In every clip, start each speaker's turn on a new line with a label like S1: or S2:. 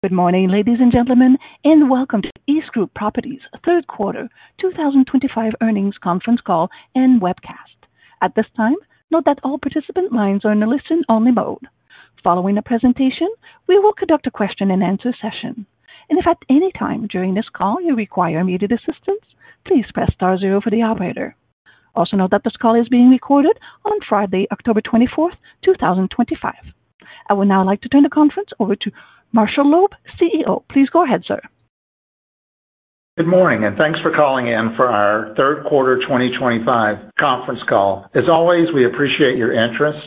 S1: Good morning, ladies and gentlemen, and welcome to the EastGroup Properties Third Quarter 2025 Earnings Conference Call and Webcast. At this time, note that all participant lines are in a listen-only mode. Following the presentation, we will conduct a question-and-answer session. If at any time during this call you require immediate assistance, please press star zero for the operator. Also note that this call is being recorded on Friday, October 24, 2025. I would now like to turn the conference over to Marshall Loeb, CEO. Please go ahead, sir.
S2: Good morning, and thanks for calling in for our Third Quarter 2025 Conference Call. As always, we appreciate your interest.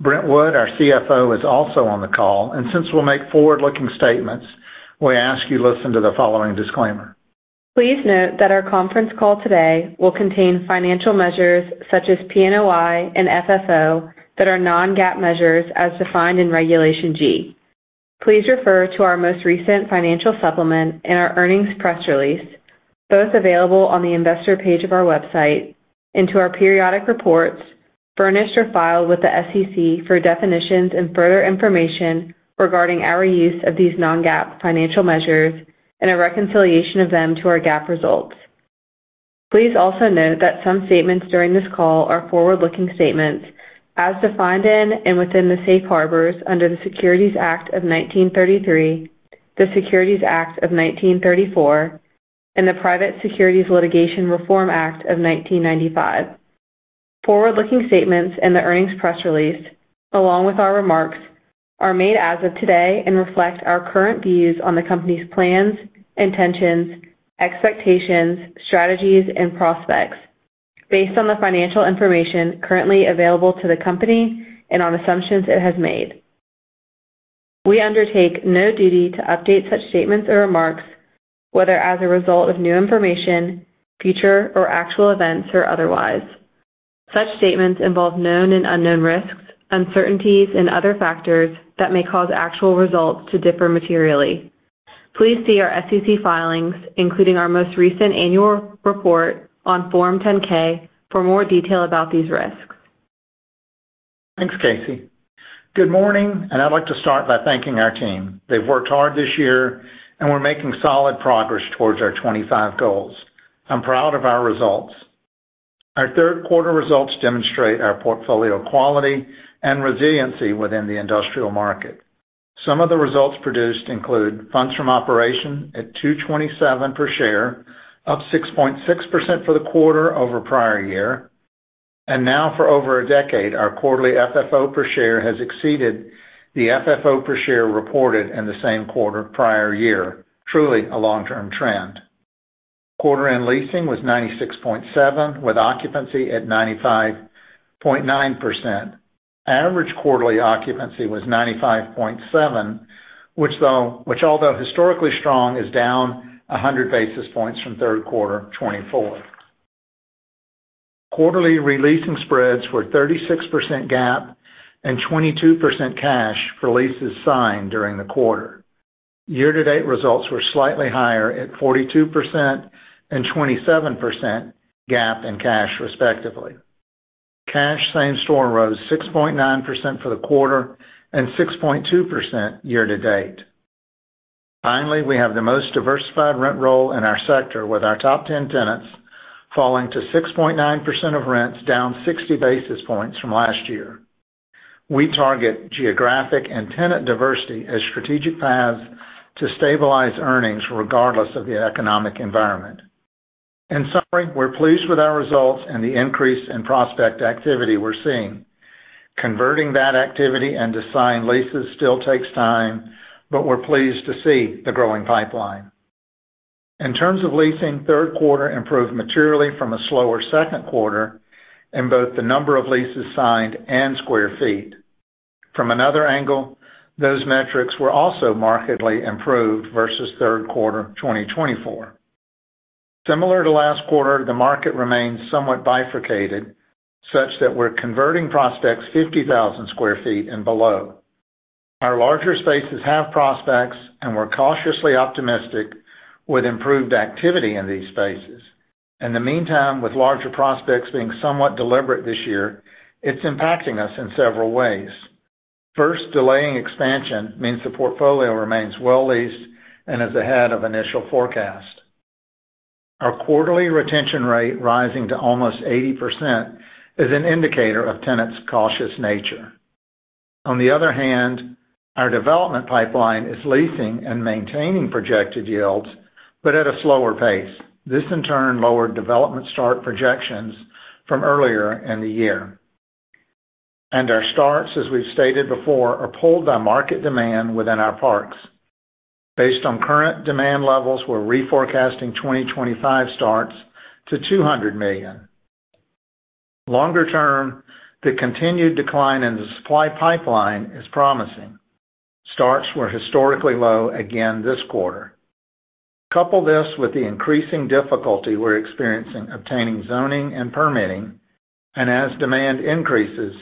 S2: Brent Wood, our CFO, is also on the call, and since we'll make forward-looking statements, we ask you to listen to the following disclaimer.
S3: Please note that our conference call today will contain financial measures such as PNOI and FFO that are non-GAAP measures as defined in Regulation G. Please refer to our most recent financial supplement and our earnings press release, both available on the investor page of our website, and to our periodic reports furnished or filed with the SEC for definitions and further information regarding our use of these non-GAAP financial measures and a reconciliation of them to our GAAP results. Please also note that some statements during this call are forward-looking statements, as defined in and within the safe harbors under the Securities Act of 1933, the Securities Act of 1934, and the Private Securities Litigation Reform Act of 1995. Forward-looking statements in the earnings press release, along with our remarks, are made as of today and reflect our current views on the company's plans, intentions, expectations, strategies, and prospects based on the financial information currently available to the company and on assumptions it has made. We undertake no duty to update such statements or remarks, whether as a result of new information, future, or actual events, or otherwise. Such statements involve known and unknown risks, uncertainties, and other factors that may cause actual results to differ materially. Please see our SEC filings, including our most recent annual report on Form 10-K, for more detail about these risks.
S2: Thanks, Casey. Good morning, and I'd like to start by thanking our team. They've worked hard this year, and we're making solid progress towards our 2025 goals. I'm proud of our results. Our third-quarter results demonstrate our portfolio quality and resiliency within the industrial market. Some of the results produced include funds from operations at $2.27 per share, up 6.6% for the quarter over prior year. For over a decade, our quarterly FFO per share has exceeded the FFO per share reported in the same quarter prior year, truly a long-term trend. Quarter-end leasing was 96.7%, with occupancy at 95.9%. Average quarterly occupancy was 95.7%, which, although historically strong, is down 100 basis points from third quarter 2023. Quarterly releasing spreads were 36% GAAP and 22% cash for leases signed during the quarter. Year-to-date results were slightly higher at 42% and 27% GAAP and cash, respectively. Cash same-store rose 6.9% for the quarter and 6.2% year-to-date. Finally, we have the most diversified rent roll in our sector, with our top 10 tenants falling to 6.9% of rents, down 60 basis points from last year. We target geographic and tenant diversity as strategic paths to stabilize earnings regardless of the economic environment. In summary, we're pleased with our results and the increase in prospect activity we're seeing. Converting that activity into signed leases still takes time, but we're pleased to see the growing pipeline. In terms of leasing, third quarter improved materially from a slower second quarter in both the number of leases signed and square feet. From another angle, those metrics were also markedly improved versus third quarter 2023. Similar to last quarter, the market remains somewhat bifurcated, such that we're converting prospects 50,000 sq ft and below. Our larger spaces have prospects, and we're cautiously optimistic with improved activity in these spaces. In the meantime, with larger prospects being somewhat deliberate this year, it's impacting us in several ways. First, delaying expansion means the portfolio remains well leased and is ahead of initial forecast. Our quarterly retention rate rising to almost 80% is an indicator of tenants' cautious nature. On the other hand, our development pipeline is leasing and maintaining projected yields, but at a slower pace. This, in turn, lowered development start projections from earlier in the year. Our Starts, as we've stated before, are pulled by market demand within our Parks. Based on current demand levels, we're reforecasting 2025 Starts to $200 million. Longer term, the continued decline in the supply pipeline is promising. Starts were historically low again this quarter. Coupled with the increasing difficulty we're experiencing obtaining zoning and permitting, as demand increases,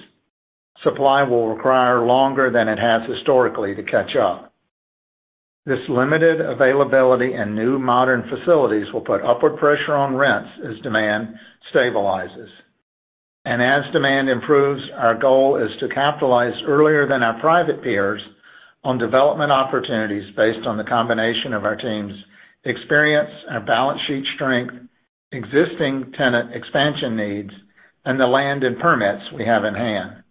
S2: supply will require longer than it has historically to catch up. This limited availability in new modern facilities will put upward pressure on rents as demand stabilizes. As demand improves, our goal is to capitalize earlier than our private peers on development opportunities based on the combination of our team's experience, our balance sheet strength, existing tenant expansion needs, and the land and permits we have in hand.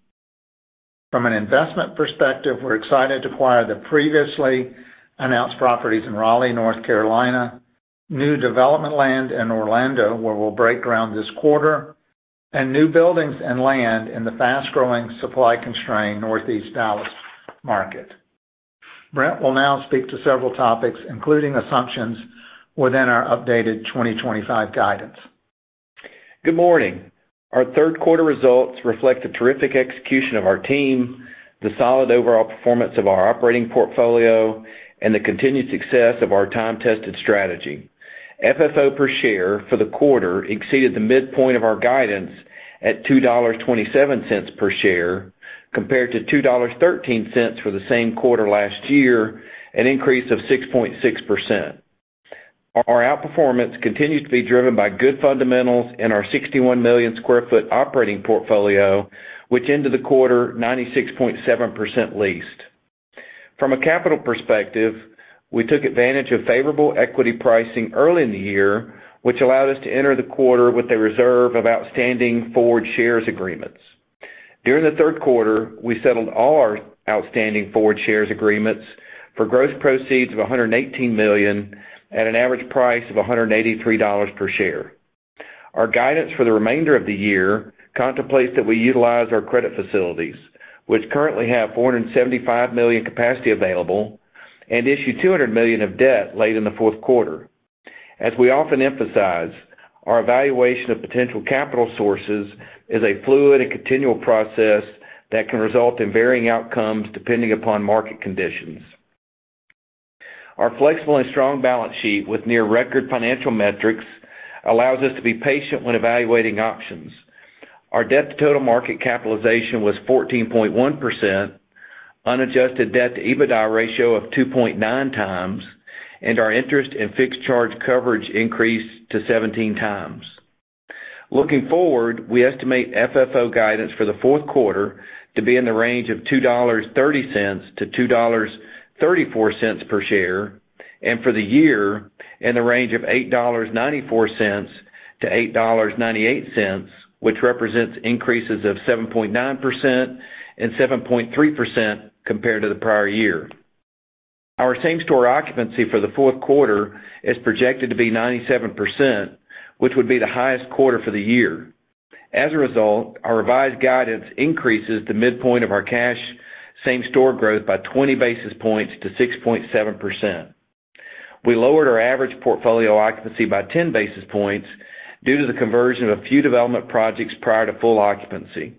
S2: From an investment perspective, we're excited to acquire the previously announced properties in Raleigh, North Carolina, new development land in Orlando, where we'll break ground this quarter, and new buildings and land in the fast-growing supply-constrained Northeast Dallas market. Brent will now speak to several topics, including assumptions within our updated 2025 guidance.
S4: Good morning. Our third-quarter results reflect a terrific execution of our team, the solid overall performance of our operating portfolio, and the continued success of our time-tested strategy. FFO per share for the quarter exceeded the midpoint of our guidance at $2.27 per share, compared to $2.13 for the same quarter last year, an increase of 6.6%. Our outperformance continues to be driven by good fundamentals in our 61 million sq ft operating portfolio, which ended the quarter 96.7% leased. From a capital perspective, we took advantage of favorable equity pricing early in the year, which allowed us to enter the quarter with a reserve of outstanding forward equity agreements. During the third quarter, we settled all our outstanding forward equity agreements for gross proceeds of $118 million at an average price of $183 per share. Our guidance for the remainder of the year contemplates that we utilize our credit facility, which currently has $475 million capacity available, and issue $200 million of debt late in the fourth quarter. As we often emphasize, our evaluation of potential capital sources is a fluid and continual process that can result in varying outcomes depending upon market conditions. Our flexible and strong balance sheet with near-record financial metrics allows us to be patient when evaluating options. Our debt-to-total market capitalization was 14.1%, unadjusted debt-to-EBITDA ratio of 2.9x, and our interest and fixed charge coverage increased to 17x. Looking forward, we estimate FFO guidance for the fourth quarter to be in the range of $2.30-$2.34 per share, and for the year in the range of $8.94-$8.98, which represents increases of 7.9% and 7.3% compared to the prior year. Our same-store occupancy for the fourth quarter is projected to be 97%, which would be the highest quarter for the year. As a result, our revised guidance increases the midpoint of our cash same-store growth by 20 basis points to 6.7%. We lowered our average portfolio occupancy by 10 basis points due to the conversion of a few development projects prior to full occupancy.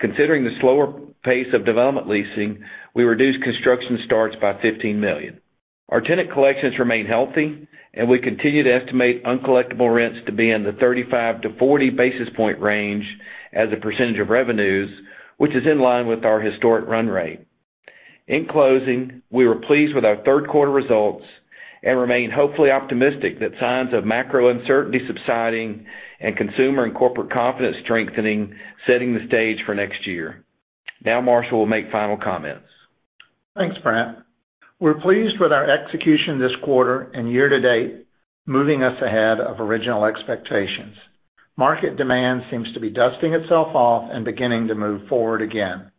S4: Considering the slower pace of development leasing, we reduced construction starts by $15 million. Our tenant collections remain healthy, and we continue to estimate uncollectible rents to be in the 35 to 40 basis point range as a percentage of revenues, which is in line with our historic run rate. In closing, we were pleased with our third-quarter results and remain hopefully optimistic that signs of macro uncertainty subsiding and consumer and corporate confidence strengthening setting the stage for next year. Now, Marshall will make final comments.
S2: Thanks, Brent. We're pleased with our execution this quarter and year-to-date, moving us ahead of original expectations. Market demand seems to be dusting itself off and beginning to move forward again.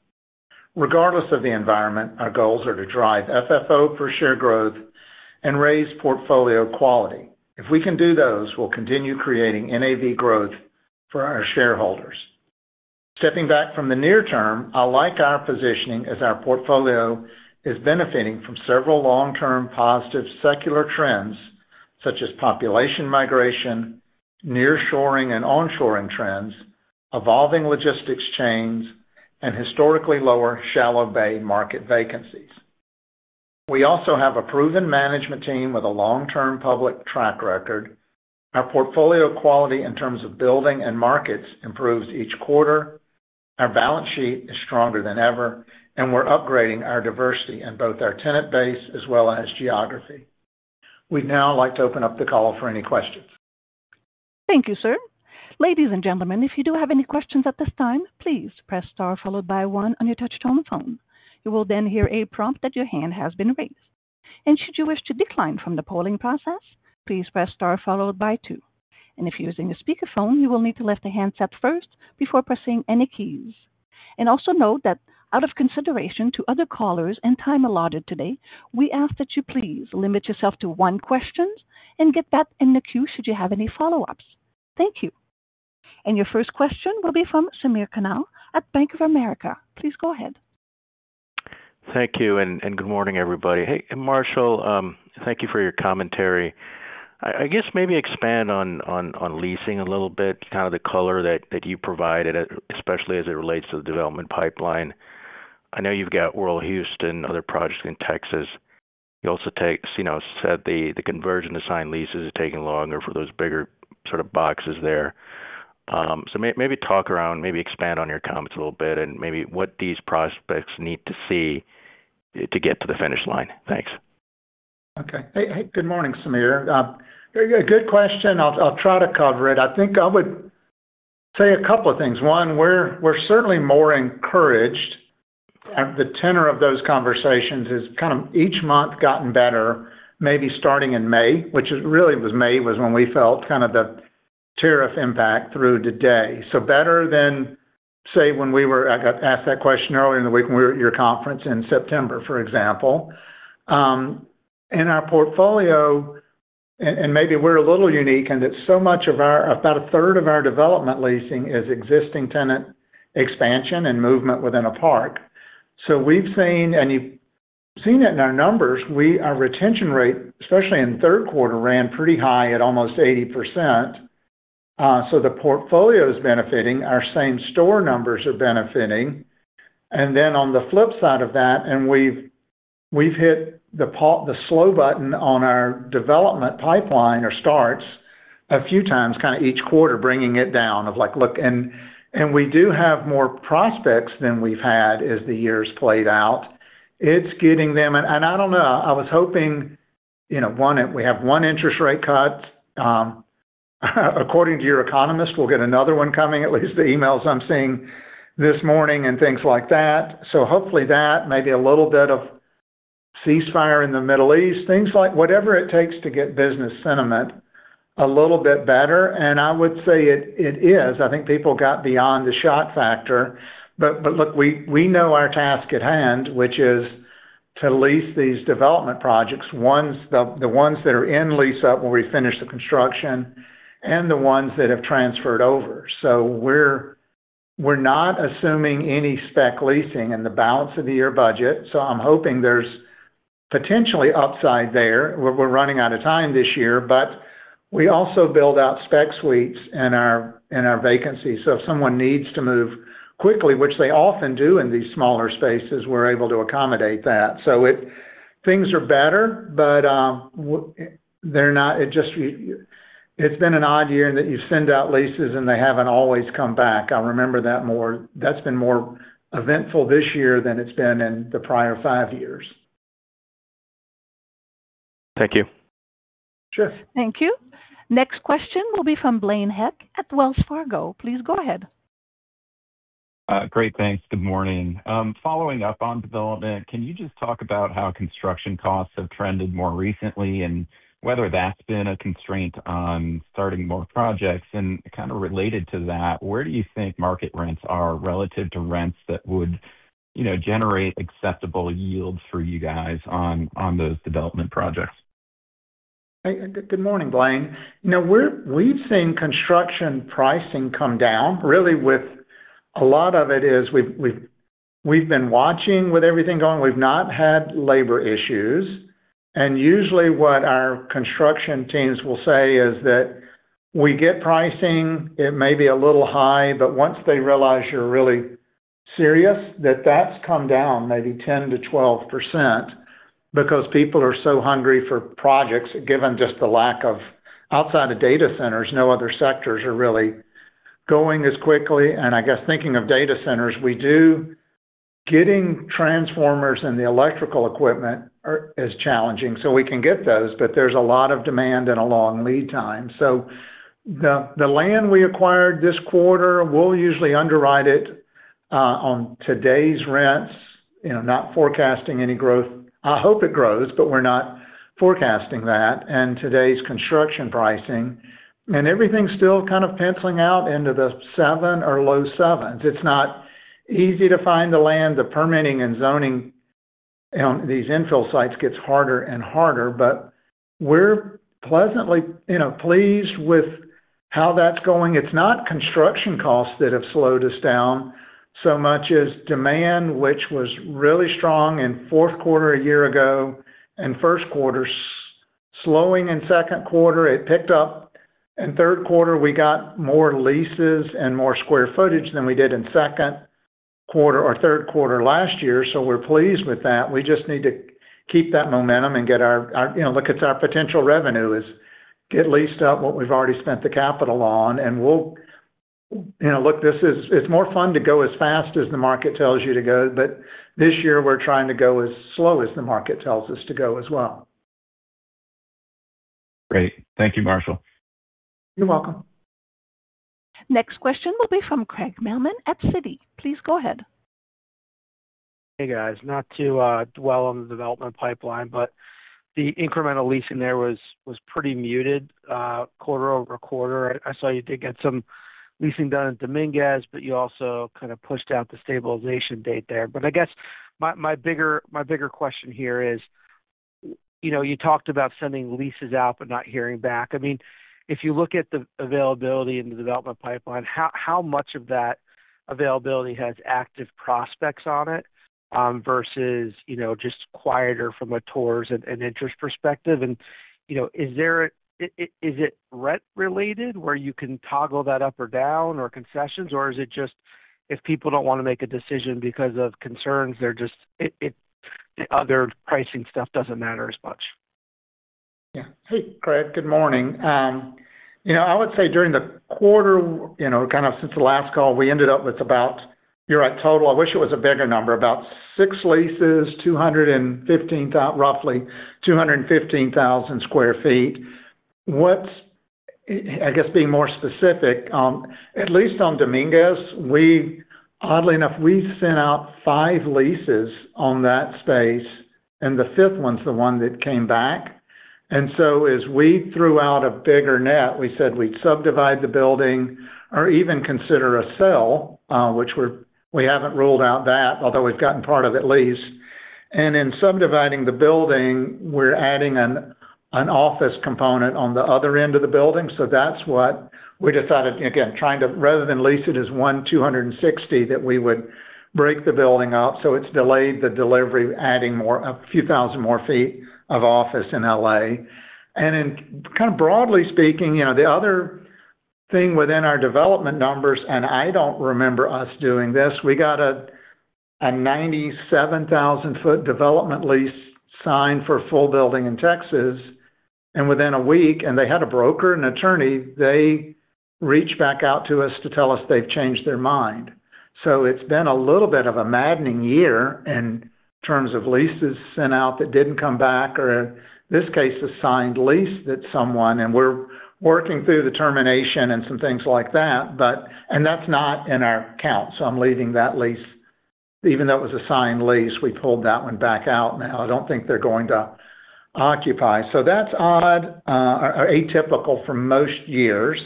S2: Regardless of the environment, our goals are to drive FFO per share growth and raise portfolio quality. If we can do those, we'll continue creating NAV growth for our shareholders. Stepping back from the near-term, I like our positioning as our portfolio is benefiting from several long-term positive secular trends, such as population migration, nearshoring and onshoring trends, evolving logistics chains, and historically lower shallow bay market vacancies. We also have a proven management team with a long-term public track record. Our portfolio quality in terms of building and markets improves each quarter. Our balance sheet is stronger than ever, and we're upgrading our diversity in both our tenant base as well as geography. We'd now like to open up the call for any questions.
S1: Thank you, sir. Ladies and gentlemen, if you do have any questions at this time, please press star followed by one on your touch-tone phone. You will then hear a prompt that your hand has been raised. Should you wish to decline from the polling process, please press star followed by two. If you're using a speakerphone, you will need to lift the handset first before pressing any keys. Please note that out of consideration to other callers and the time allotted today, we ask that you please limit yourself to one question and get back in the queue should you have any follow-ups. Thank you. Your first question will be from Samir Khanal at Bank of America. Please go ahead.
S5: Thank you, and good morning, everybody. Hey, Marshall, thank you for your commentary. I guess maybe expand on leasing a little bit, kind of the color that you provided, especially as it relates to the development pipeline. I know you've got Rural Houston, other projects in Texas. You also said the conversion to signed leases is taking longer for those bigger sort of boxes there. Maybe talk around, maybe expand on your comments a little bit, and maybe what these prospects need to see to get to the finish line. Thanks.
S2: Okay. Hey, good morning, Samir. Very good. Good question. I'll try to cover it. I think I would say a couple of things. One, we're certainly more encouraged. The tenor of those conversations has kind of each month gotten better, maybe starting in May, which really was May when we felt kind of the tariff impact through today. Better than, say, when I got asked that question earlier in the week when we were at your conference in September, for example. In our portfolio, and maybe we're a little unique in that so much of our, about a third of our development leasing is existing tenant expansion and movement within a park. We've seen, and you've seen it in our numbers, our retention rate, especially in third quarter, ran pretty high at almost 80%. The portfolio is benefiting. Our same-store numbers are benefiting. On the flip side of that, we've hit the slow button on our development pipeline or starts a few times, kind of each quarter, bringing it down. We do have more prospects than we've had as the year's played out. It's getting them, and I don't know, I was hoping, you know, one, we have one interest rate cut. According to your economist, we'll get another one coming, at least the emails I'm seeing this morning and things like that. Hopefully that, maybe a little bit of ceasefire in the Middle East, things like whatever it takes to get business sentiment a little bit better. I would say it is. I think people got beyond the shock factor. Look, we know our task at hand, which is to lease these development projects, the ones that are in lease up when we finish the construction, and the ones that have transferred over. We're not assuming any spec leasing in the balance of the year budget. I'm hoping there's potentially upside there. We're running out of time this year, but we also build out spec suites in our vacancy. If someone needs to move quickly, which they often do in these smaller spaces, we're able to accommodate that. Things are better, but it's been an odd year in that you send out leases and they haven't always come back. I remember that more. That's been more eventful this year than it's been in the prior five years.
S5: Thank you.
S2: Sure.
S1: Thank you. Next question will be from Blaine Heck at Wells Fargo. Please go ahead.
S6: Great, thanks. Good morning. Following up on development, can you just talk about how construction costs have trended more recently and whether that's been a constraint on starting more projects? Kind of related to that, where do you think market rents are relative to rents that would, you know, generate acceptable yields for you guys on those development projects?
S2: Good morning, Blaine. We've seen construction pricing come down. Really, a lot of it is we've been watching with everything going. We've not had labor issues. Usually what our construction teams will say is that we get pricing, it may be a little high, but once they realize you're really serious, that's come down maybe 10% to 12% because people are so hungry for projects, given just the lack of, outside of data centers, no other sectors are really going as quickly. Thinking of data centers, getting transformers and the electrical equipment is challenging. We can get those, but there's a lot of demand and a long lead time. The land we acquired this quarter, we'll usually underwrite it on today's rents, not forecasting any growth. I hope it grows, but we're not forecasting that. And today's construction pricing and everything's still kind of penciling out into the seven or low sevens. It's not easy to find the land. The permitting and zoning on these infill sites gets harder and harder, but we're pleasantly pleased with how that's going. It's not construction costs that have slowed us down so much as demand, which was really strong in the fourth quarter a year ago and first quarter, slowing in the second quarter. It picked up in the third quarter. We got more leases and more square foot age than we did in the second quarter or third quarter last year. We're pleased with that. We just need to keep that momentum and get our, look, it's our potential revenue is get leased up what we've already spent the capital on. It's more fun to go as fast as the market tells you to go, but this year we're trying to go as slow as the market tells us to go as well.
S6: Great. Thank you, Marshall.
S2: You're welcome.
S1: Next question will be from Craig Mailman at Citi. Please go ahead.
S7: Hey guys, not to dwell on the development pipeline, but the incremental leasing there was pretty muted quarter-over-quarter. I saw you did get some leasing done at Dominguez, but you also kind of pushed out the stabilization date there. I guess my bigger question here is, you know, you talked about sending leases out but not hearing back. If you look at the availability in the development pipeline, how much of that availability has active prospects on it versus just quieter from a tours and interest perspective? Is it rent-related where you can toggle that up or down or concessions, or is it just if people don't want to make a decision because of concerns, the other pricing stuff doesn't matter as much?
S2: Yeah. Hey Craig, good morning. I would say during the quarter, kind of since the last call, we ended up with about, you're at total, I wish it was a bigger number, about six leases, roughly 215,000 sq ft. What's, I guess, being more specific, at least on Dominguez, oddly enough, we sent out five leases on that space, and the fifth one's the one that came back. As we threw out a bigger net, we said we'd subdivide the building or even consider a sale, which we haven't ruled out, although we've gotten part of it leased. In subdividing the building, we're adding an office component on the other end of the building. That's what we decided, again, trying to, rather than lease it as one 260, that we would break the building up. It's delayed the delivery, adding a few thousand more feet of office in L.A. Kind of broadly speaking, the other thing within our development numbers, and I don't remember us doing this, we got a 97,000 ft development lease signed for a full building in Texas. Within a week, and they had a broker and attorney, they reached back out to us to tell us they've changed their mind. It's been a little bit of a maddening year in terms of leases sent out that didn't come back or in this case, a signed lease that someone, and we're working through the termination and some things like that. That's not in our count. I'm leaving that lease, even though it was a signed lease, we pulled that one back out now. I don't think they're going to occupy. That's odd or atypical for most years.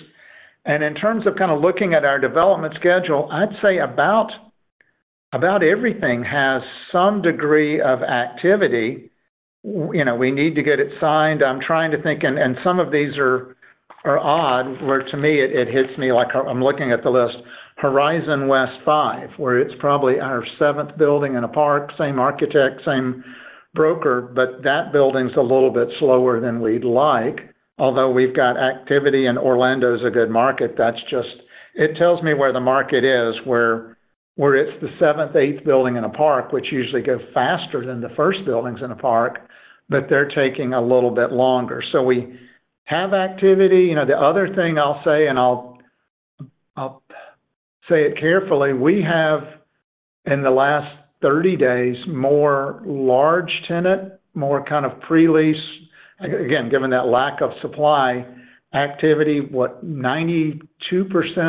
S2: In terms of kind of looking at our development schedule, I'd say about everything has some degree of activity. We need to get it signed. I'm trying to think, and some of these are odd, where to me, it hits me like I'm looking at the list, Horizon West 5, where it's probably our seventh building in a park, same architect, same broker, but that building's a little bit slower than we'd like, although we've got activity and Orlando's a good market. That just tells me where the market is, where it's the seventh, eighth building in a park, which usually goes faster than the first buildings in a park, but they're taking a little bit longer. We have activity. You know, the other thing I'll say, and I'll say it carefully, we have in the last 30 days more large tenant, more kind of pre-lease, again, given that lack of supply activity. What, 92%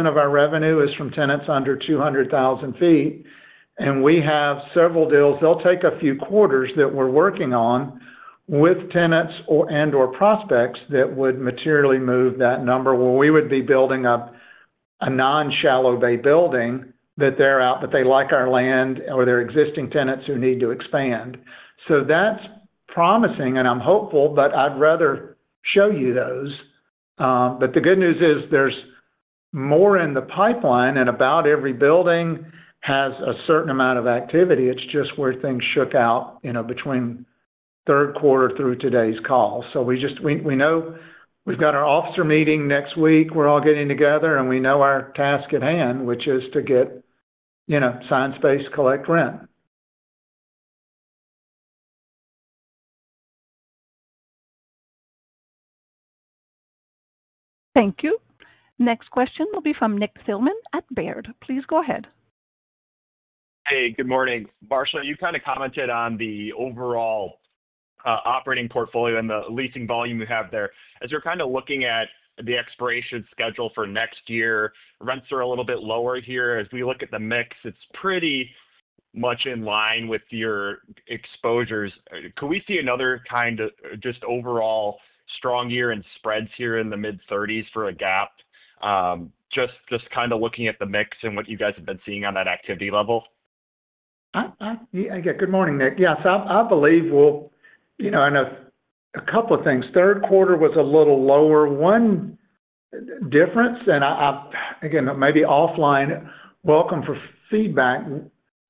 S2: of our revenue is from tenants under 200,000 ft. We have several deals, they'll take a few quarters, that we're working on with tenants and/or prospects that would materially move that number where we would be building up a non-shallow bay building that they're out, but they like our land or they're existing tenants who need to expand. That's promising, and I'm hopeful, but I'd rather show you those. The good news is there's more in the pipeline, and about every building has a certain amount of activity. It's just where things shook out, you know, between third quarter through today's call. We know we've got our officer meeting next week. We're all getting together, and we know our task at hand, which is to get, you know, signed space, collect rent.
S1: Thank you. Next question will be from Nick Thillman at Baird. Please go ahead.
S8: Hey, good morning. Marshall, you kind of commented on the overall operating portfolio and the leasing volume you have there. As you're kind of looking at the expiration schedule for next year, rents are a little bit lower here. As we look at the mix, it's pretty much in line with your exposures. Can we see another kind of just overall strong year and spreads here in the mid-30s for a GAAP? Just kind of looking at the mix and what you guys have been seeing on that activity level?
S2: Yeah, good morning, Nick. Yes, I believe we'll, you know, I know a couple of things. Third quarter was a little lower. One difference, and again, maybe offline, welcome for feedback.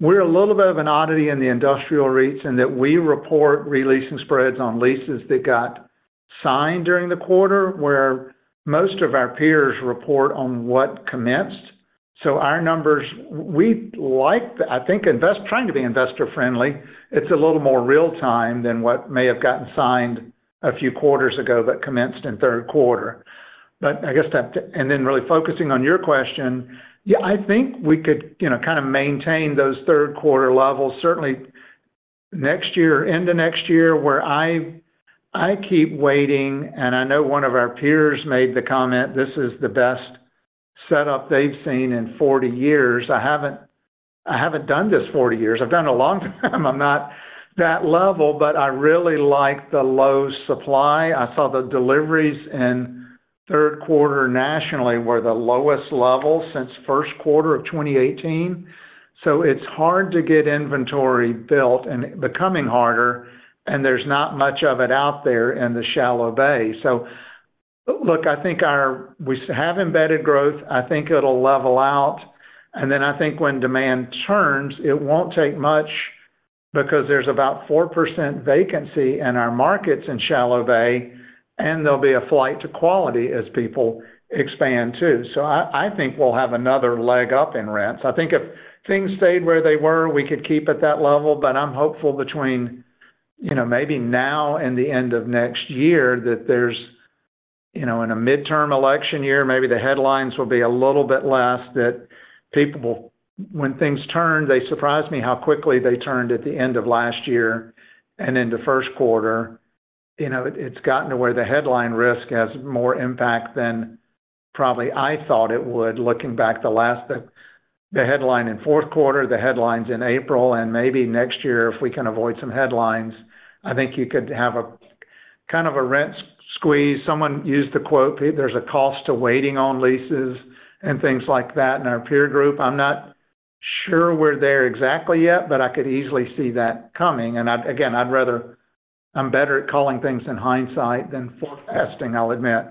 S2: We're a little bit of an oddity in the industrial REITs in that we report releasing spreads on leases that got signed during the quarter where most of our peers report on what commenced. Our numbers, we like that. I think trying to be investor-friendly, it's a little more real-time than what may have gotten signed a few quarters ago but commenced in third quarter. I guess that, and then really focusing on your question, yeah, I think we could, you know, kind of maintain those third quarter levels. Certainly next year, end of next year, where I keep waiting, and I know one of our peers made the comment, this is the best setup they've seen in 40 years. I haven't done this 40 years. I've done it a long time. I'm not that level, but I really like the low supply. I saw the deliveries in third quarter nationally were the lowest level since first quarter of 2018. It's hard to get inventory built and becoming harder, and there's not much of it out there in the shallow bay. I think we have embedded growth. I think it'll level out. I think when demand turns, it won't take much because there's about 4% vacancy in our markets in Shallow Bay, and there'll be a flight to quality as people expand too. I think we'll have another leg up in rents. I think if things stayed where they were, we could keep at that level, but I'm hopeful between, you know, maybe now and the end of next year that there's, you know, in a mid-term election year, maybe the headlines will be a little bit less that people will, when things turn, they surprise me how quickly they turned at the end of last year and into first quarter. It's gotten to where the headline risk has more impact than probably I thought it would. Looking back, the last the headline in fourth quarter, the headlines in April, and maybe next year, if we can avoid some headlines, I think you could have a kind of a rent squeeze. Someone used the quote, there's a cost to waiting on leases and things like that in our peer group. I'm not sure we're there exactly yet, but I could easily see that coming. Again, I'd rather, I'm better at calling things in hindsight than forecasting, I'll admit.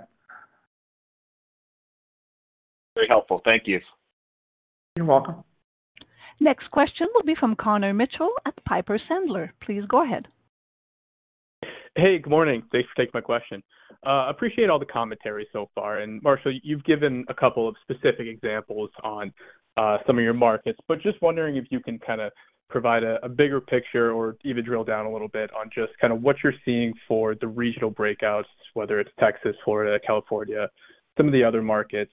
S8: Very helpful. Thank you.
S2: You're welcome.
S1: Next question will be from Connor Mitchell at Piper Sandler. Please go ahead.
S9: Hey, good morning. Thanks for taking my question. I appreciate all the commentary so far. Marshall, you've given a couple of specific examples on some of your markets. Just wondering if you can kind of provide a bigger picture or even drill down a little bit on just what you're seeing for the regional breakouts, whether it's Texas, Florida, California, some of the other markets,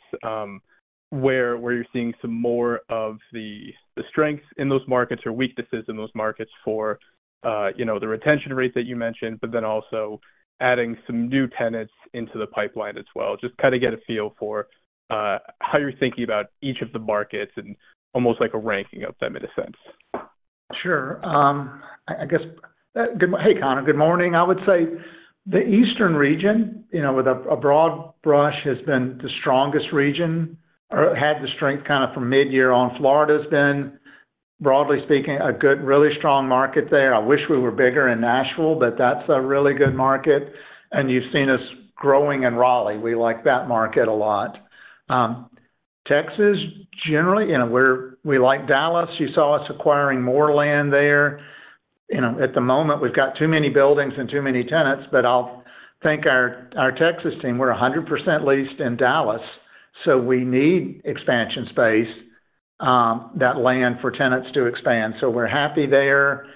S9: where you're seeing some more of the strengths in those markets or weaknesses in those markets for the retention rate that you mentioned, but then also adding some new tenants into the pipeline as well. Just kind of get a feel for how you're thinking about each of the markets and almost like a ranking of them in a sense.
S2: Sure. I guess, good morning. Hey, Connor, good morning. I would say the eastern region, you know, with a broad brush has been the strongest region or had the strength kind of from mid-year on. Florida's been, broadly speaking, a good, really strong market there. I wish we were bigger in Nashville, but that's a really good market. You've seen us growing in Raleigh. We like that market a lot. Texas, generally, you know, we like Dallas. You saw us acquiring more land there. At the moment, we've got too many buildings and too many tenants, but I'll thank our Texas team. We're 100% leased in Dallas. We need expansion space, that land for tenants to expand. We're happy there.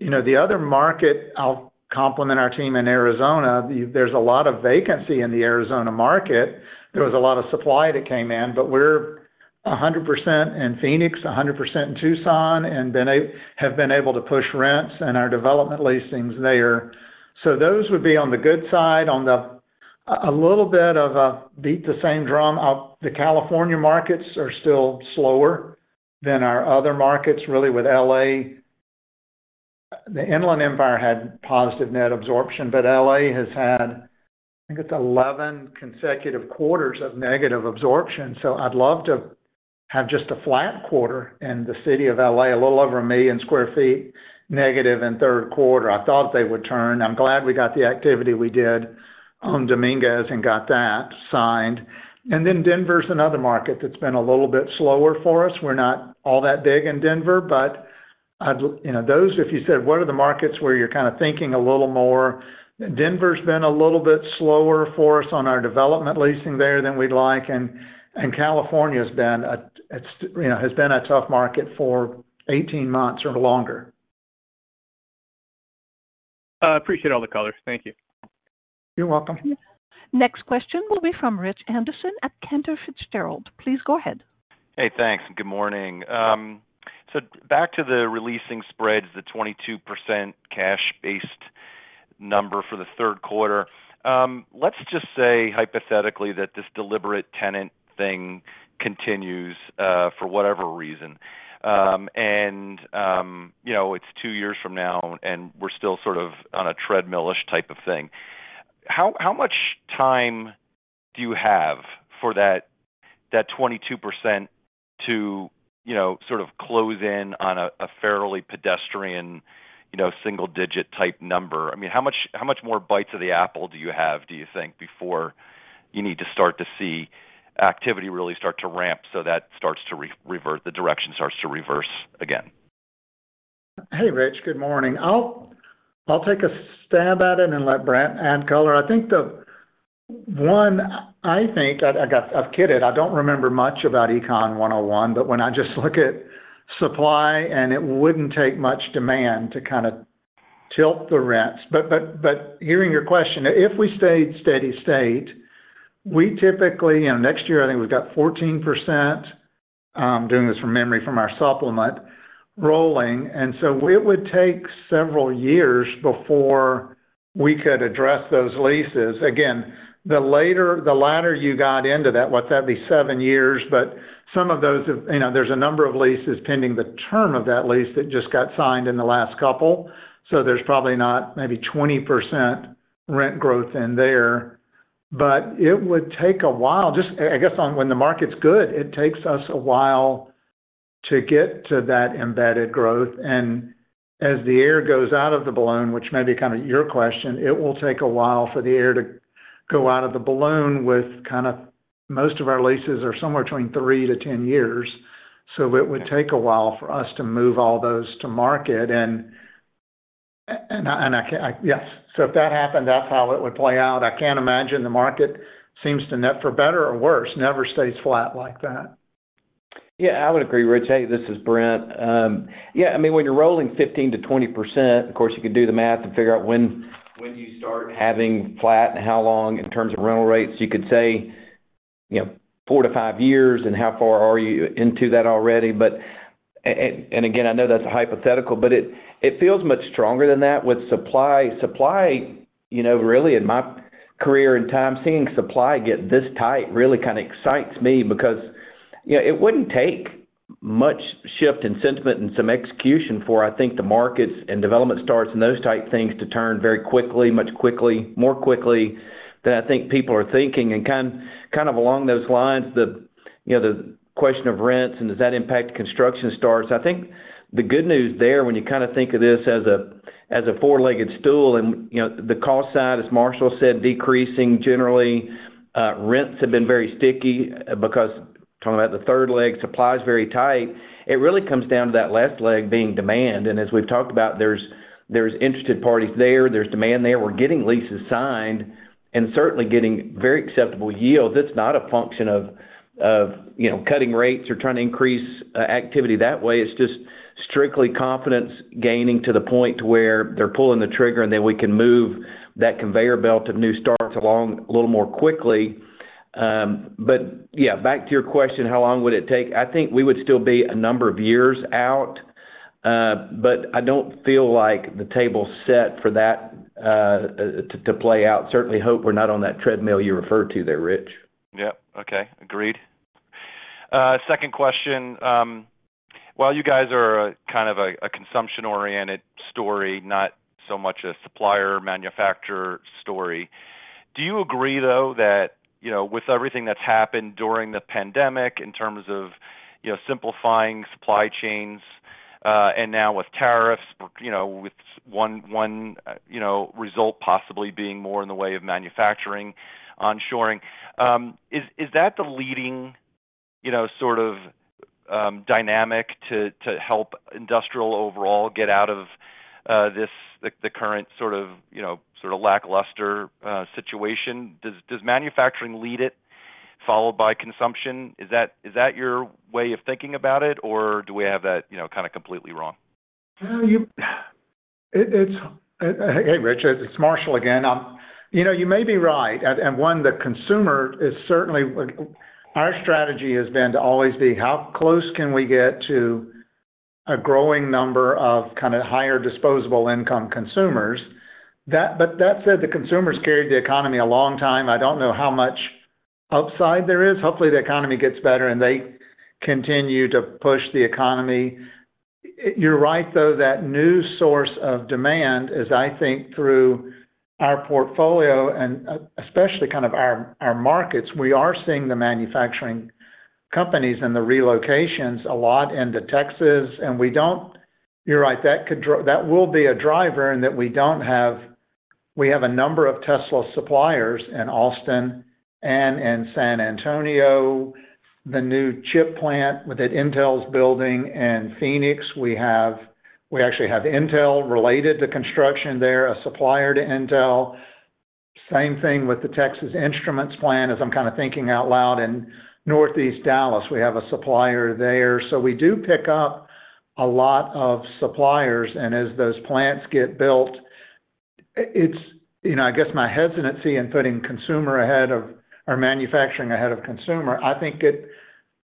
S2: The other market, I'll compliment our team in Arizona. There's a lot of vacancy in the Arizona market. There was a lot of supply that came in, but we're 100% in Phoenix, 100% in Tucson, and have been able to push rents and our development leasings there. Those would be on the good side. On the a little bit of a beat the same drum, the California markets are still slower than our other markets, really, with L.A. The Inland Empire had positive net absorption, but L.A. has had, I think it's 11 consecutive quarters of negative absorption. I'd love to have just a flat quarter in the city of L.A., a little over a million sq ft negative in third quarter. I thought they would turn. I'm glad we got the activity we did on Dominguez and got that signed. Denver's another market that's been a little bit slower for us. We're not all that big in Denver, but those, if you said, what are the markets where you're kind of thinking a little more? Denver's been a little bit slower for us on our development leasing there than we'd like. California has been a tough market for 18 months or longer.
S9: I appreciate all the colors. Thank you.
S2: You're welcome.
S1: Next question will be from Rich Anderson at Cantor Fitzgerald. Please go ahead.
S10: Hey, thanks. Good morning. Back to the releasing spreads, the 22% cash-based number for the third quarter. Let's just say hypothetically that this deliberate tenant thing continues, for whatever reason. It's two years from now, and we're still sort of on a treadmill-ish type of thing. How much time do you have for that, that 22% to sort of close in on a fairly pedestrian, single-digit type number? I mean, how much more bites of the apple do you have, do you think, before you need to start to see activity really start to ramp so that starts to revert, the direction starts to reverse again?
S2: Hey, Rich. Good morning. I'll take a stab at it and let Brent add color. I think the one, I think, I've kidded. I don't remember much about Econ 101, but when I just look at supply, and it wouldn't take much demand to kind of tilt the rents. Hearing your question, if we stayed steady state, we typically, you know, next year, I think we've got 14%, I'm doing this from memory from our supplement rolling. It would take several years before we could address those leases. Again, the later, the latter you got into that, what's that, be seven years, but some of those, you know, there's a number of leases pending the term of that lease that just got signed in the last couple. There's probably not maybe 20% rent growth in there. It would take a while, just I guess when the market's good, it takes us a while to get to that embedded growth. As the air goes out of the balloon, which may be kind of your question, it will take a while for the air to go out of the balloon with kind of most of our leases are somewhere between three to 10 years. It would take a while for us to move all those to market. I can't, yes. If that happened, that's how it would play out. I can't imagine the market seems to net, for better or worse, never stays flat like that.
S4: Yeah, I would agree, Rich. Hey, this is Brent. Yeah, I mean, when you're rolling 15%-20%, of course, you can do the math and figure out when you start having flat and how long in terms of rental rates. You could say, you know, four to five years and how far are you into that already. Again, I know that's a hypothetical, but it feels much stronger than that with supply. Supply, you know, really, in my career and time, seeing supply get this tight really kind of excites me because it wouldn't take much shift in sentiment and some execution for, I think, the markets and development starts and those type things to turn very quickly, much more quickly than I think people are thinking. Kind of along those lines, the question of rents and does that impact construction starts? I think the good news there, when you kind of think of this as a four-legged stool and, you know, the cost side, as Marshall said, decreasing generally, rents have been very sticky because talking about the third leg, supply is very tight. It really comes down to that last leg being demand. As we've talked about, there's interested parties there. There's demand there. We're getting leases signed and certainly getting very acceptable yields. It's not a function of cutting rates or trying to increase activity that way. It's just strictly confidence gaining to the point where they're pulling the trigger and then we can move that conveyor belt of new starts along a little more quickly. Back to your question, how long would it take? I think we would still be a number of years out, but I don't feel like the table's set for that to play out. Certainly hope we're not on that treadmill you referred to there, Rich.
S10: Okay. Agreed. Second question, while you guys are kind of a consumption-oriented story, not so much a supplier-manufacturer story, do you agree though that, with everything that's happened during the pandemic in terms of simplifying supply chains, and now with tariffs, with one result possibly being more in the way of manufacturing, onshoring, is that the leading sort of dynamic to help industrial overall get out of this current sort of lackluster situation? Does manufacturing lead it followed by consumption? Is that your way of thinking about it, or do we have that kind of completely wrong?
S2: Hey, Richard, it's Marshall again. You may be right. The consumer is certainly what our strategy has been to always be how close can we get to a growing number of kind of higher disposable income consumers. That said, the consumers carried the economy a long time. I don't know how much upside there is. Hopefully, the economy gets better and they continue to push the economy. You're right, that new source of demand is, I think, through our portfolio and especially kind of our markets. We are seeing the manufacturing companies and the relocations a lot into Texas. You're right, that could, that will be a driver in that we don't have, we have a number of Tesla suppliers in Austin and in San Antonio, the new chip plant that Intel's building in Phoenix. We actually have Intel related to construction there, a supplier to Intel. Same thing with the Texas Instruments plant as I'm kind of thinking out loud in Northeast Dallas. We have a supplier there. We do pick up a lot of suppliers. As those plants get built, it's, I guess my hesitancy in putting consumer ahead of or manufacturing ahead of consumer, I think it,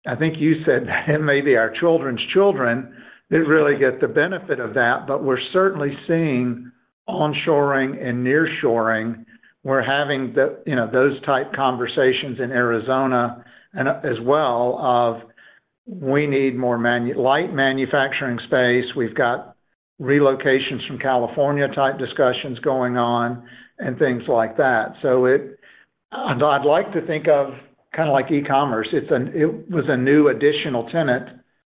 S2: I think you said that it may be our children's children that really get the benefit of that. We're certainly seeing onshoring and nearshoring. We're having those type conversations in Arizona and as well of we need more light manufacturing space. We've got relocations from California type discussions going on and things like that. I'd like to think of kind of like e-commerce. It was a new additional tenant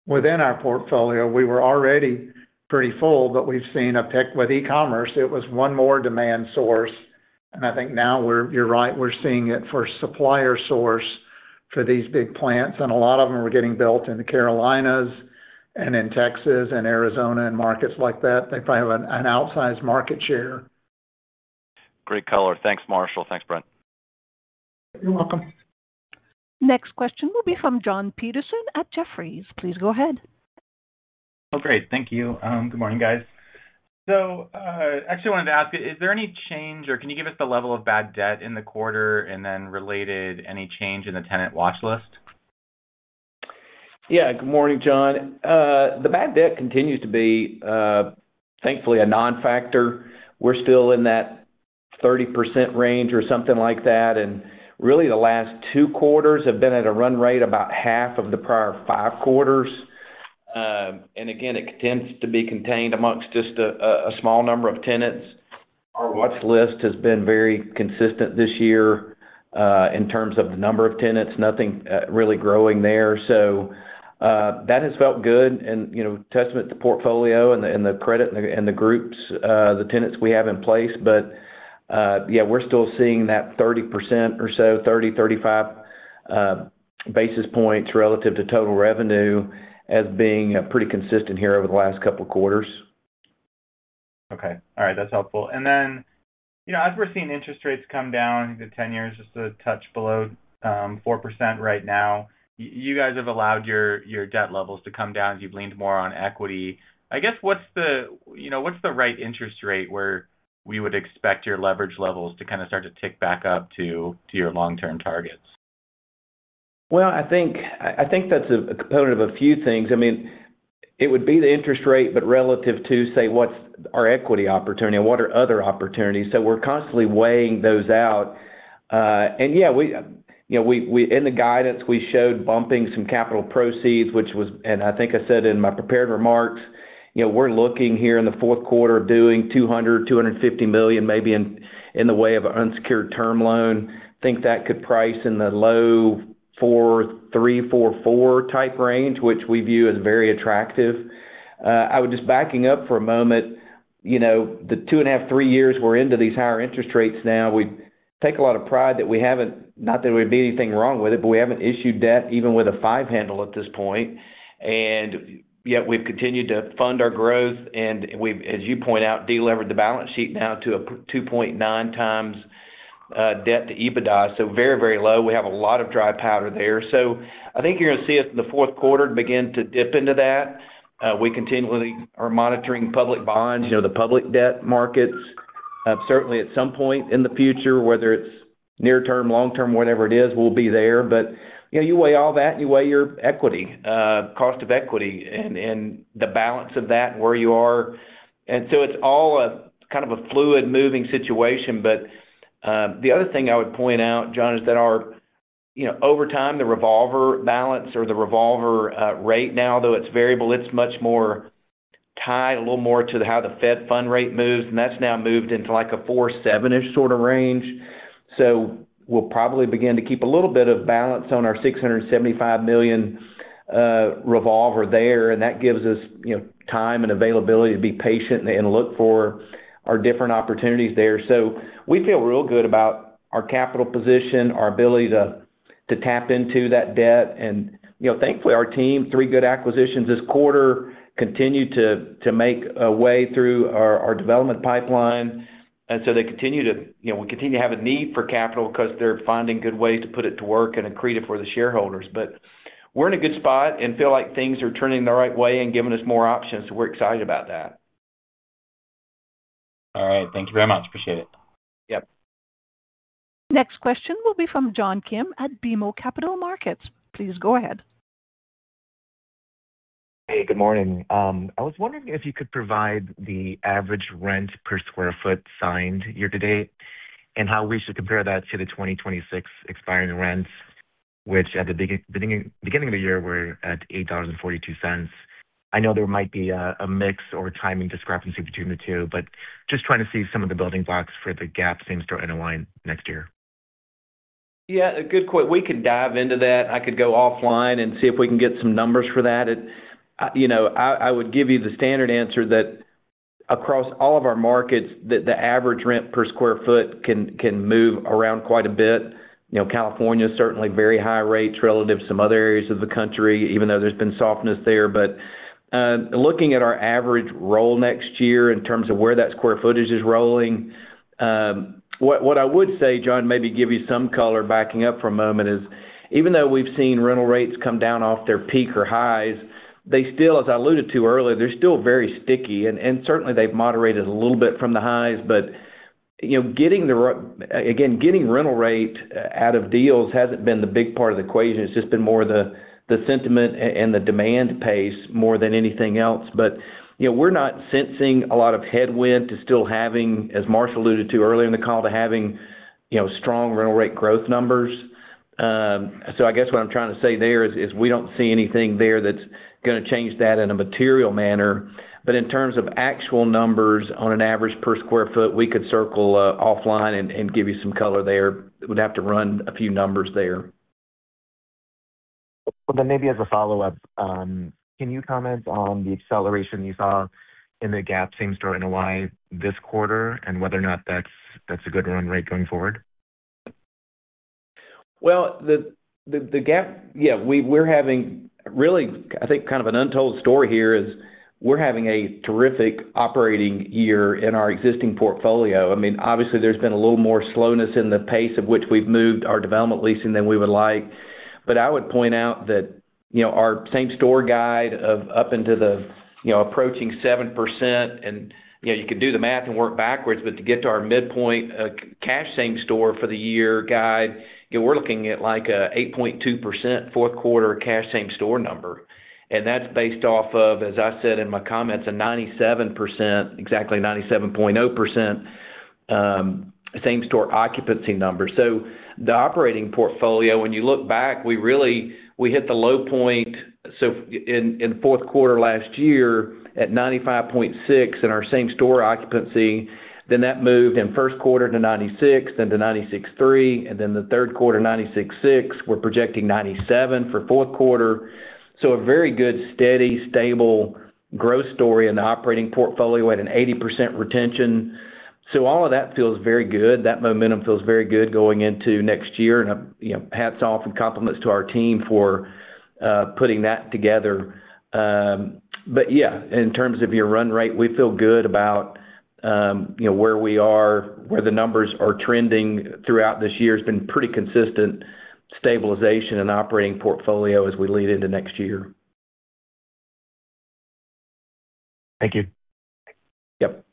S2: within our portfolio. We were already pretty full, but we've seen a pick with e-commerce. It was one more demand source. I think now we're, you're right, we're seeing it for supplier source for these big plants. A lot of them are getting built in the Carolinas and in Texas and Arizona and markets like that. They probably have an outsized market share.
S10: Great color. Thanks, Marshall. Thanks, Brent.
S2: You're welcome.
S1: Next question will be from Jon Petersen at Jefferies. Please go ahead.
S11: Oh, great. Thank you. Good morning, guys. I actually wanted to ask you, is there any change or can you give us the level of bad debt in the quarter, and then related, any change in the tenant watchlist?
S4: Yeah, good morning, Jon. The bad debt continues to be, thankfully, a non-factor. We're still in that 30% range or something like that. Really, the last two quarters have been at a run rate about half of the prior five quarters. It tends to be contained amongst just a small number of tenants. Our watchlist has been very consistent this year in terms of the number of tenants, nothing really growing there. That has felt good and, you know, testament to the portfolio and the credit and the groups, the tenants we have in place. We're still seeing that 30% or so, 30, 35 basis points relative to total revenue as being pretty consistent here over the last couple of quarters.
S11: Okay. All right. That's helpful. As we're seeing interest rates come down, I think the 10-year is just a touch below 4% right now. You guys have allowed your debt levels to come down as you've leaned more on equity. I guess what's the, you know, what's the right interest rate where we would expect your leverage levels to kind of start to tick back up to your long-term targets?
S4: I think that's a component of a few things. I mean, it would be the interest rate, but relative to, say, what's our equity opportunity and what are other opportunities. We're constantly weighing those out. In the guidance, we showed bumping some capital proceeds, which was, and I think I said in my prepared remarks, we're looking here in the fourth quarter of doing $200 million, $250 million, maybe in the way of an unsecured term loan. I think that could price in the low 4.3%, 4.4% type range, which we view as very attractive. Just backing up for a moment, the two and a half, three years we're into these higher interest rates now, we take a lot of pride that we haven't, not that there would be anything wrong with it, but we haven't issued debt even with a five-handle at this point. Yet we've continued to fund our growth and we've, as you point out, delivered the balance sheet now to a 2.9x debt-to-EBITDA ratio. Very, very low. We have a lot of dry powder there. I think you're going to see us in the fourth quarter begin to dip into that. We continually are monitoring public bonds, the public debt markets. Certainly, at some point in the future, whether it's near-term, long-term, whatever it is, we'll be there. You weigh all that and you weigh your equity, cost of equity, and the balance of that and where you are. It's all a kind of a fluid moving situation. The other thing I would point out, Jon, is that over time, the revolver balance or the revolver rate now, though it's variable, it's much more tied a little more to how the Fed fund rate moves. That's now moved into like a 4.7% sort of range. We'll probably begin to keep a little bit of balance on our $675 million revolver there. That gives us time and availability to be patient and look for our different opportunities there. We feel real good about our capital position, our ability to tap into that debt. Thankfully, our team, three good acquisitions this quarter, continue to make a way through our development pipeline. They continue to, we continue to have a need for capital because they're finding good ways to put it to work and accrete it for the shareholders. We're in a good spot and feel like things are turning the right way and giving us more options. We're excited about that.
S11: All right. Thank you very much. Appreciate it.
S4: Yep.
S1: Next question will be from John Kim at BMO Capital Markets. Please go ahead.
S12: Hey, good morning. I was wondering if you could provide the average rent per sq ft signed year-to-date and how we should compare that to the 2026 expiring rents, which at the beginning of the year were at $8.42. I know there might be a mix or a timing discrepancy between the two, just trying to see some of the building blocks for the GAAP same-store NOI next year.
S4: Yeah, good question. We can dive into that. I could go offline and see if we can get some numbers for that. I would give you the standard answer that across all of our markets, the average rent per sq ft can move around quite a bit. California is certainly very high rates relative to some other areas of the country, even though there's been softness there. Looking at our average roll next year in terms of where that sq ftage is rolling, what I would say, John, maybe give you some color backing up for a moment is even though we've seen rental rates come down off their peak or highs, they still, as I alluded to earlier, they're still very sticky. Certainly, they've moderated a little bit from the highs. Getting the, again, getting rental rate out of deals hasn't been the big part of the equation. It's just been more the sentiment and the demand pace more than anything else. We're not sensing a lot of headwind to still having, as Marshall alluded to earlier in the call, to having strong rental rate growth numbers. I guess what I'm trying to say there is we don't see anything there that's going to change that in a material manner. In terms of actual numbers on an average per sq ft, we could circle offline and give you some color there. We'd have to run a few numbers there.
S12: Maybe as a follow-up, can you comment on the acceleration you saw in the GAAP same-store NOI this quarter and whether or not that's a good run rate going forward?
S4: The GAAP, yeah, we're having really, I think, kind of an untold story here is we're having a terrific operating year in our existing portfolio. I mean, obviously, there's been a little more slowness in the pace of which we've moved our development leasing than we would like. I would point out that, you know, our same-store guide of up into the, you know, approaching 7%. You know, you could do the math and work backwards, but to get to our midpoint cash same-store for the year guide, you know, we're looking at like an 8.2% fourth quarter cash same-store number. That's based off of, as I said in my comments, a 97%, exactly 97.0% same-store occupancy number. The operating portfolio, when you look back, we really, we hit the low point. In the fourth quarter last year at 95.6% in our same-store occupancy, then that moved in first quarter to 96%, then to 96.3%, and then the third quarter 96.6%. We're projecting 97% for fourth quarter. A very good, steady, stable growth story in the operating portfolio at an 80% retention. All of that feels very good. That momentum feels very good going into next year. Hats off and compliments to our team for putting that together. In terms of your run rate, we feel good about, you know, where we are, where the numbers are trending throughout this year. It's been pretty consistent stabilization in operating portfolio as we lead into next year.
S12: Thank you.
S4: Yep.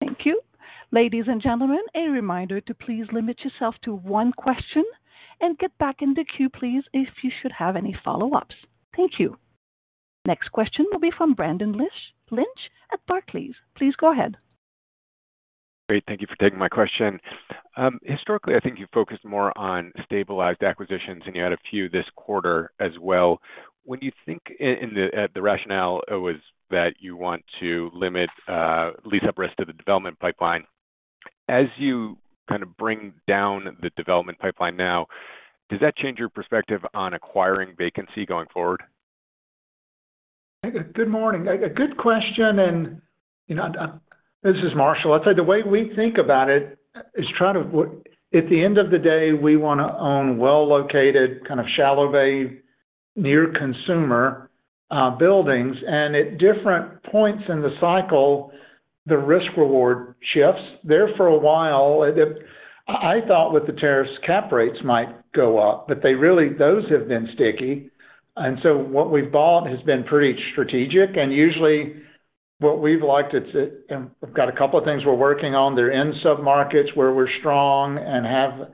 S1: Thank you. Ladies and gentlemen, a reminder to please limit yourself to one question and get back in the queue, please, if you should have any follow-ups. Thank you. Next question will be from Brendan Lynch at Barclays. Please go ahead.
S13: Great. Thank you for taking my question. Historically, I think you focused more on stabilized acquisitions, and you had a few this quarter as well. When you think in the rationale, it was that you want to limit lease-up risk to the development pipeline. As you kind of bring down the development pipeline now, does that change your perspective on acquiring vacancy going forward?
S2: Good morning. A good question. You know, this is Marshall. I'd say the way we think about it is trying to, at the end of the day, we want to own well-located kind of shallow bay near-consumer buildings. At different points in the cycle, the risk-reward shifts. There for a while, I thought with the tariffs, cap rates might go up, but they really, those have been sticky. What we've bought has been pretty strategic. Usually, what we've liked, it's a, and we've got a couple of things we're working on. They're in submarkets where we're strong and have,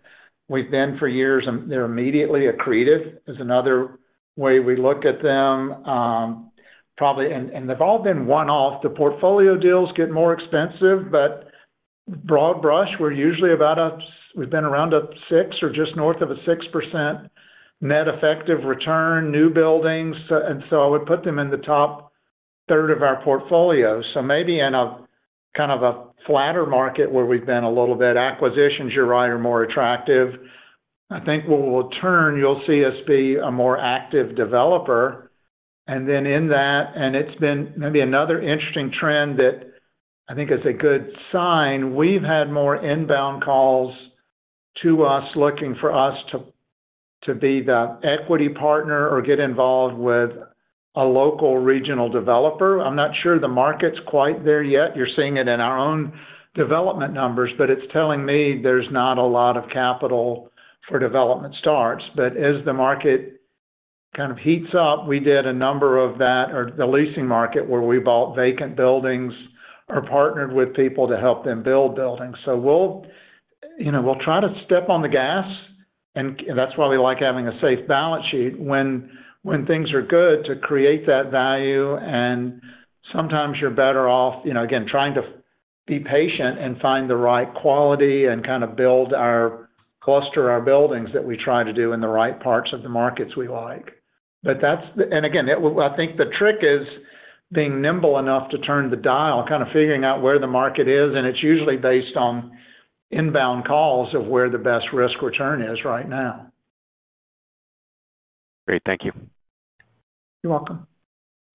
S2: we've been for years, and they're immediately accretive is another way we look at them. Probably, and they've all been one-off. The portfolio deals get more expensive, but broad brush, we're usually about up, we've been around a 6% or just north of a 6% net effective return, new buildings. I would put them in the top third of our portfolio. Maybe in a kind of a flatter market where we've been a little bit, acquisitions, you're right, are more attractive. I think what will turn, you'll see us be a more active developer. It's been maybe another interesting trend that I think is a good sign. We've had more inbound calls to us looking for us to be the equity partner or get involved with a local regional developer. I'm not sure the market's quite there yet. You're seeing it in our own development numbers, but it's telling me there's not a lot of capital for development starts. As the market kind of heats up, we did a number of that or the leasing market where we bought vacant buildings or partnered with people to help them build buildings. We'll try to step on the gas. That's why we like having a safe balance sheet when things are good to create that value. Sometimes you're better off, you know, again, trying to be patient and find the right quality and kind of build our cluster of buildings that we try to do in the right parts of the markets we like. That's the, and again, I think the trick is being nimble enough to turn the dial, kind of figuring out where the market is. It's usually based on inbound calls of where the best risk return is right now.
S13: Great. Thank you.
S2: You're welcome.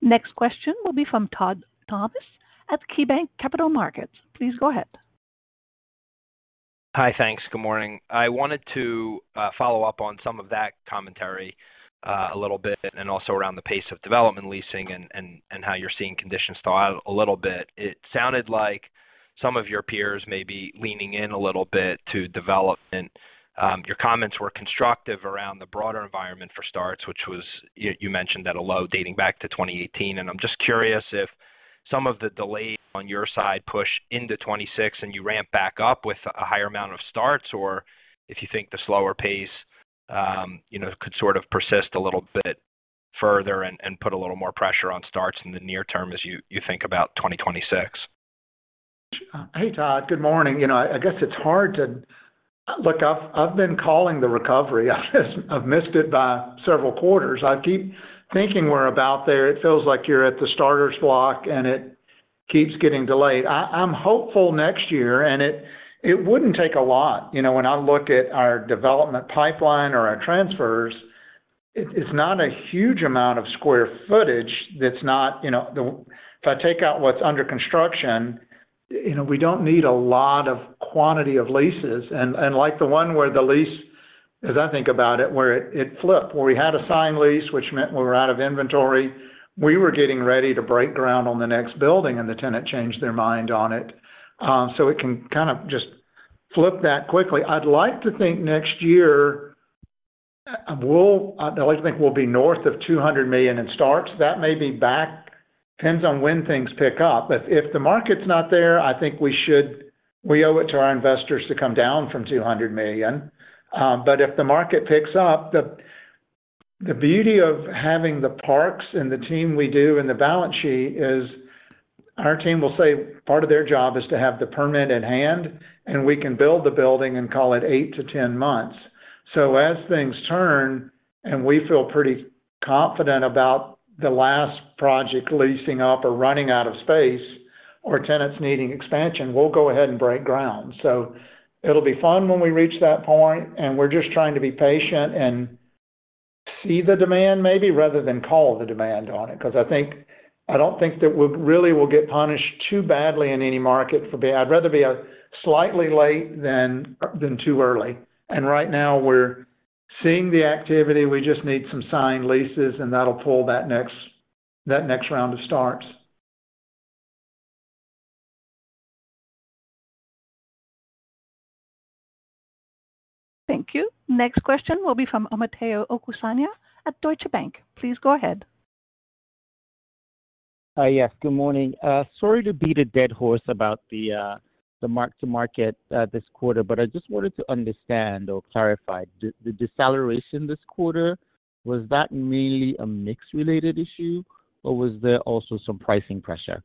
S1: Next question will be from Todd Thomas at KeyBanc Capital Markets. Please go ahead.
S14: Hi, thanks. Good morning. I wanted to follow up on some of that commentary a little bit and also around the pace of development leasing and how you're seeing conditions thaw out a little bit. It sounded like some of your peers may be leaning in a little bit to development. Your comments were constructive around the broader environment for starts, which you mentioned at a low dating back to 2018. I'm just curious if some of the delays on your side push into 2026 and you ramp back up with a higher amount of starts, or if you think the slower pace could sort of persist a little bit further and put a little more pressure on starts in the near-term as you think about 2026.
S2: Hey, Todd. Good morning. I guess it's hard to look, I've been calling the recovery. I've missed it by several quarters. I keep thinking we're about there. It feels like you're at the starter's block and it keeps getting delayed. I'm hopeful next year, and it wouldn't take a lot. When I look at our development pipeline or our transfers, it's not a huge amount of sq ftage. If I take out what's under construction, we don't need a lot of quantity of leases. Like the one where the lease, as I think about it, where it flipped, where we had a signed lease, which meant we were out of inventory, we were getting ready to break ground on the next building, and the tenant changed their mind on it. It can kind of just flip that quickly. I'd like to think next year, I'd like to think we'll be North of $200 million in starts. That may be back, depends on when things pick up. If the market's not there, I think we owe it to our investors to come down from $200 million. If the market picks up, the beauty of having the parks and the team we do and the balance sheet is our team will say part of their job is to have the permit in hand, and we can build the building and call it eight to 10 months. As things turn and we feel pretty confident about the last project leasing up or running out of space or tenants needing expansion, we'll go ahead and break ground. It'll be fun when we reach that point. We're just trying to be patient and see the demand maybe rather than call the demand on it. I don't think that we really will get punished too badly in any market for being, I'd rather be slightly late than too early. Right now we're seeing the activity. We just need some signed leases, and that'll pull that next round of starts.
S1: Thank you. Next question will be from Omotayo Okusanya at Deutsche Bank. Please go ahead.
S15: Yes, good morning. Sorry to beat a dead horse about the mark to market this quarter, but I just wanted to understand or clarify the deceleration this quarter. Was that mainly a mix-related issue, or was there also some pricing pressure?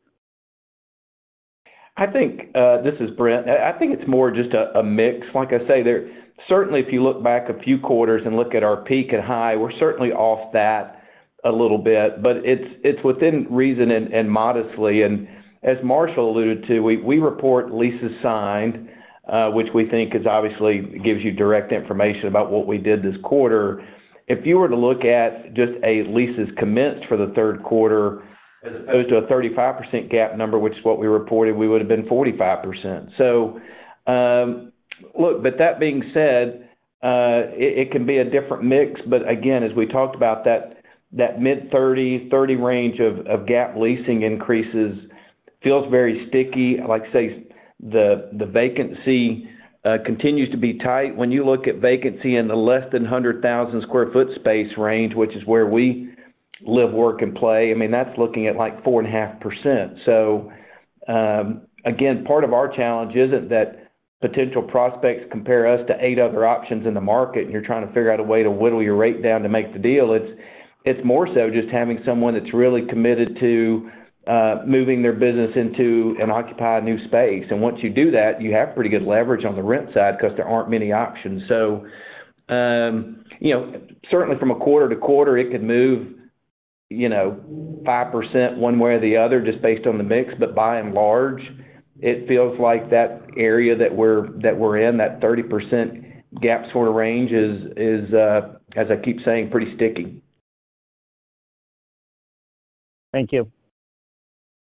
S4: I think this is Brent. I think it's more just a mix. Like I say, there certainly, if you look back a few quarters and look at our peak and high, we're certainly off that a little bit, but it's within reason and modestly. As Marshall alluded to, we report leases signed, which we think obviously gives you direct information about what we did this quarter. If you were to look at just leases commenced for the third quarter, as opposed to a 35% GAAP number, which is what we reported, we would have been 45%. That being said, it can be a different mix. Again, as we talked about, that mid-30 range of GAAP leasing increases feels very sticky. Like I say, the vacancy continues to be tight. When you look at vacancy in the less than 100,000 sq ft space range, which is where we live, work, and play, that's looking at like 4.5%. Part of our challenge isn't that potential prospects compare us to eight other options in the market and you're trying to figure out a way to whittle your rate down to make the deal. It's more so just having someone that's really committed to moving their business into and occupying new space. Once you do that, you have pretty good leverage on the rent side because there aren't many options. Certainly from a quarter to quarter, it could move 5% one way or the other just based on the mix. By and large, it feels like that area that we're in, that 30% GAAP sort of range is, as I keep saying, pretty sticky.
S15: Thank you.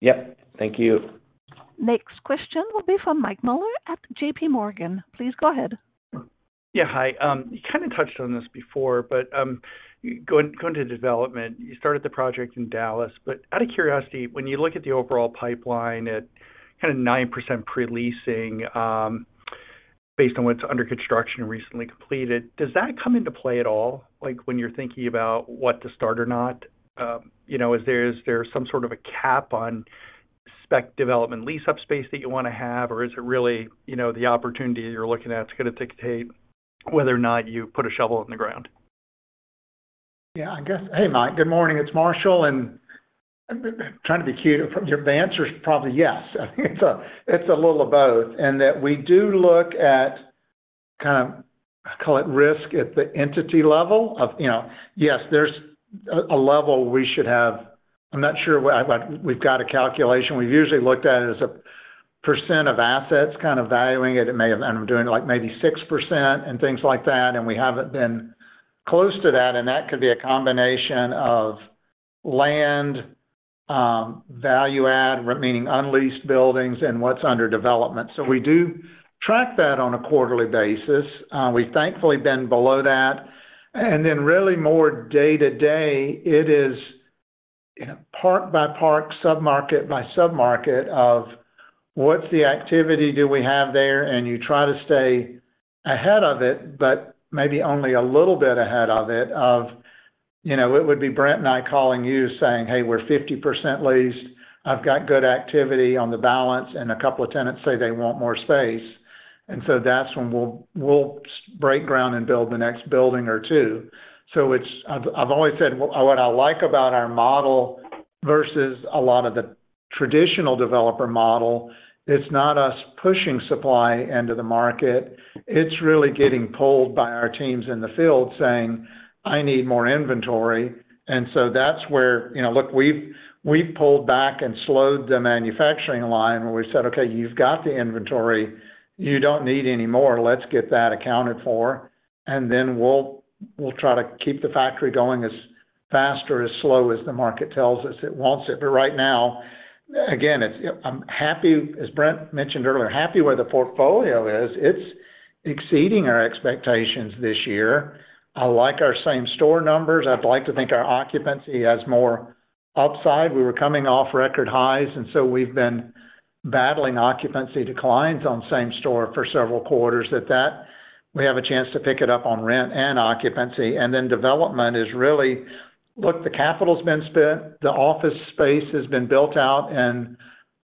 S4: Yep, thank you.
S1: Next question will be from Mike Miller at JPMorgan. Please go ahead.
S16: Yeah, hi. You kind of touched on this before, but going to development, you started the project in Dallas. Out of curiosity, when you look at the overall pipeline at kind of 9% pre-leasing based on what's under construction and recently completed, does that come into play at all when you're thinking about what to start or not? Is there some sort of a cap on spec development lease-up space that you want to have, or is it really the opportunity that you're looking at that's going to dictate whether or not you put a shovel in the ground?
S2: Yeah, I guess. Hey, Mike. Good morning. It's Marshall. I'm trying to be cute. The answer is probably yes. I think it's a little of both. We do look at kind of, I call it risk at the entity level of, you know, yes, there's a level we should have. I'm not sure what we've got a calculation. We've usually looked at it as a % of assets kind of valuing it. It may have, and I'm doing it like maybe 6% and things like that. We haven't been close to that. That could be a combination of land value add, meaning unleased buildings, and what's under development. We do track that on a quarterly basis. We've thankfully been below that. Really more day-to-day, it is, you know, park by park, submarket by submarket of what's the activity do we have there. You try to stay ahead of it, but maybe only a little bit ahead of it of, you know, it would be Brent and I calling you saying, "Hey, we're 50% leased. I've got good activity on the balance, and a couple of tenants say they want more space." That's when we'll break ground and build the next building or two. I've always said what I like about our model versus a lot of the traditional developer model, it's not us pushing supply into the market. It's really getting pulled by our teams in the field saying, "I need more inventory." That's where, you know, look, we've pulled back and slowed the manufacturing line where we've said, "Okay, you've got the inventory. You don't need any more. Let's get that accounted for." We'll try to keep the factory going as fast or as slow as the market tells us it wants it. Right now, again, I'm happy, as Brent mentioned earlier, happy where the portfolio is. It's exceeding our expectations this year. I like our same-store numbers. I'd like to think our occupancy has more upside. We were coming off record highs. We've been battling occupancy declines on same-store for several quarters that we have a chance to pick it up on rent and occupancy. Development is really, look, the capital's been spent, the office space has been built out, and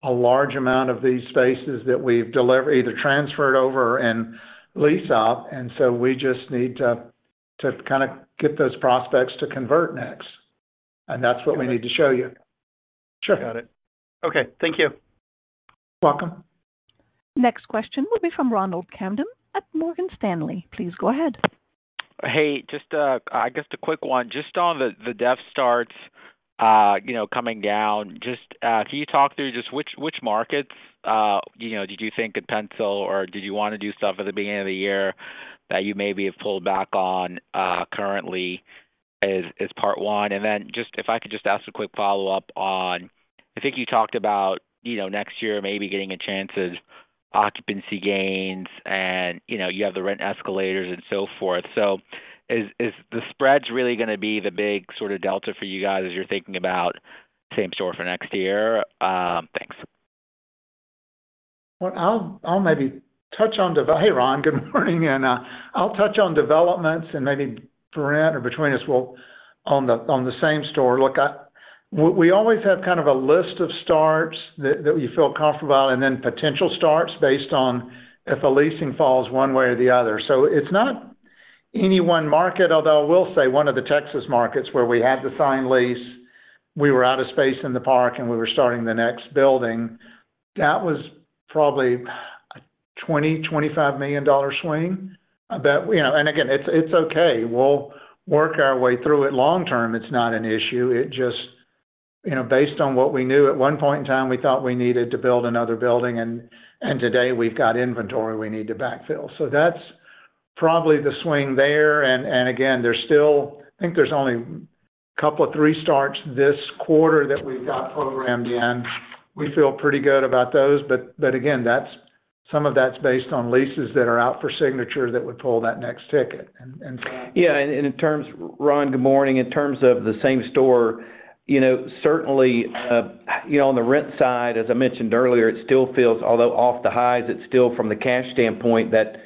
S2: a large amount of these spaces that we've delivered either transferred over and lease up. We just need to kind of get those prospects to convert next. That's what we need to show you.
S16: Sure. Got it. Okay, thank you.
S2: You're welcome.
S1: Next question will be from Ronald Kamdem at Morgan Stanley. Please go ahead.
S17: Hey, just I guess the quick one, just on the dev starts, you know, coming down, can you talk through just which markets you think could pencil or did you want to do stuff at the beginning of the year that you maybe have pulled back on currently as part one? If I could just ask a quick follow-up on, I think you talked about next year maybe getting a chance at occupancy gains and you have the rent escalators and so forth. Is the spreads really going to be the big sort of delta for you guys as you're thinking about same-store for next year? Thanks.
S2: I'll maybe touch on development. Hey, Ron, good morning. I'll touch on developments and maybe Brent or between us, we'll on the same store. Look, we always have kind of a list of starts that you feel comfortable about and then potential starts based on if leasing falls one way or the other. It's not any one market, although I will say one of the Texas markets where we had the signed lease, we were out of space in the park and we were starting the next building. That was probably a $20 million, $25 million swing. You know, it's okay. We'll work our way through it. Long term, it's not an issue. It just, you know, based on what we knew at one point in time, we thought we needed to build another building. Today we've got inventory we need to backfill. That's probably the swing there. There's still, I think there's only a couple or three starts this quarter that we've got programmed in. We feel pretty good about those. That's some of that's based on leases that are out for signature that would pull that next ticket.
S4: Yeah, and in terms, Ron, good morning. In terms of the same-store, certainly, on the rent side, as I mentioned earlier, it still feels, although off the highs, it's still from the cash standpoint, that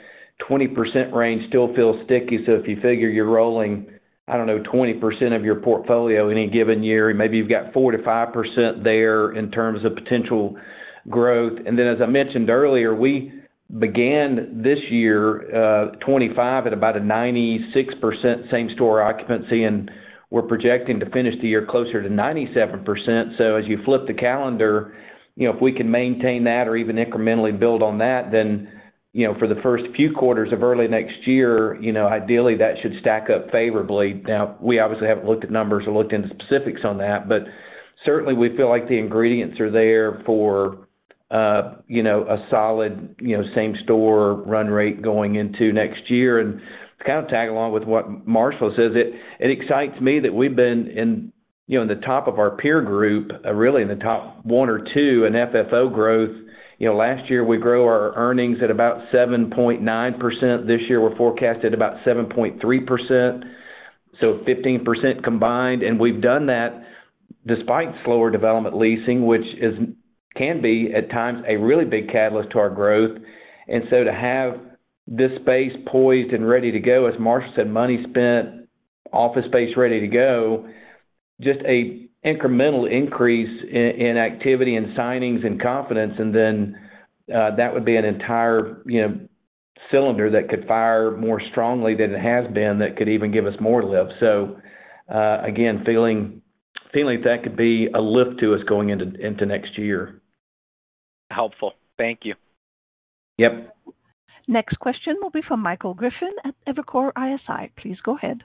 S4: 20% range still feels sticky. If you figure you're rolling, I don't know, 20% of your portfolio in any given year, maybe you've got 4%-5% there in terms of potential growth. As I mentioned earlier, we began this year at 2025 at about a 96% same-store occupancy, and we're projecting to finish the year closer to 97%. As you flip the calendar, if we can maintain that or even incrementally build on that, then for the first few quarters of early next year, ideally that should stack up favorably. We obviously haven't looked at numbers or looked into specifics on that, but certainly we feel like the ingredients are there for a solid same-store run rate going into next year. To kind of tag along with what Marshall says, it excites me that we've been in the top of our peer group, really in the top one or two in FFO growth. Last year we grew our earnings at about 7.9%. This year we're forecasted about 7.3%. So 15% combined. We've done that despite slower development leasing, which can be at times a really big catalyst to our growth. To have this space poised and ready to go, as Marshall said, money spent, office space ready to go, just an incremental increase in activity and signings and confidence. That would be an entire cylinder that could fire more strongly than it has been that could even give us more lift. Again, feeling that could be a lift to us going into next year.
S17: Helpful. Thank you.
S4: Yep.
S1: Next question will be from Michael Griffin at Evercore ISI. Please go ahead.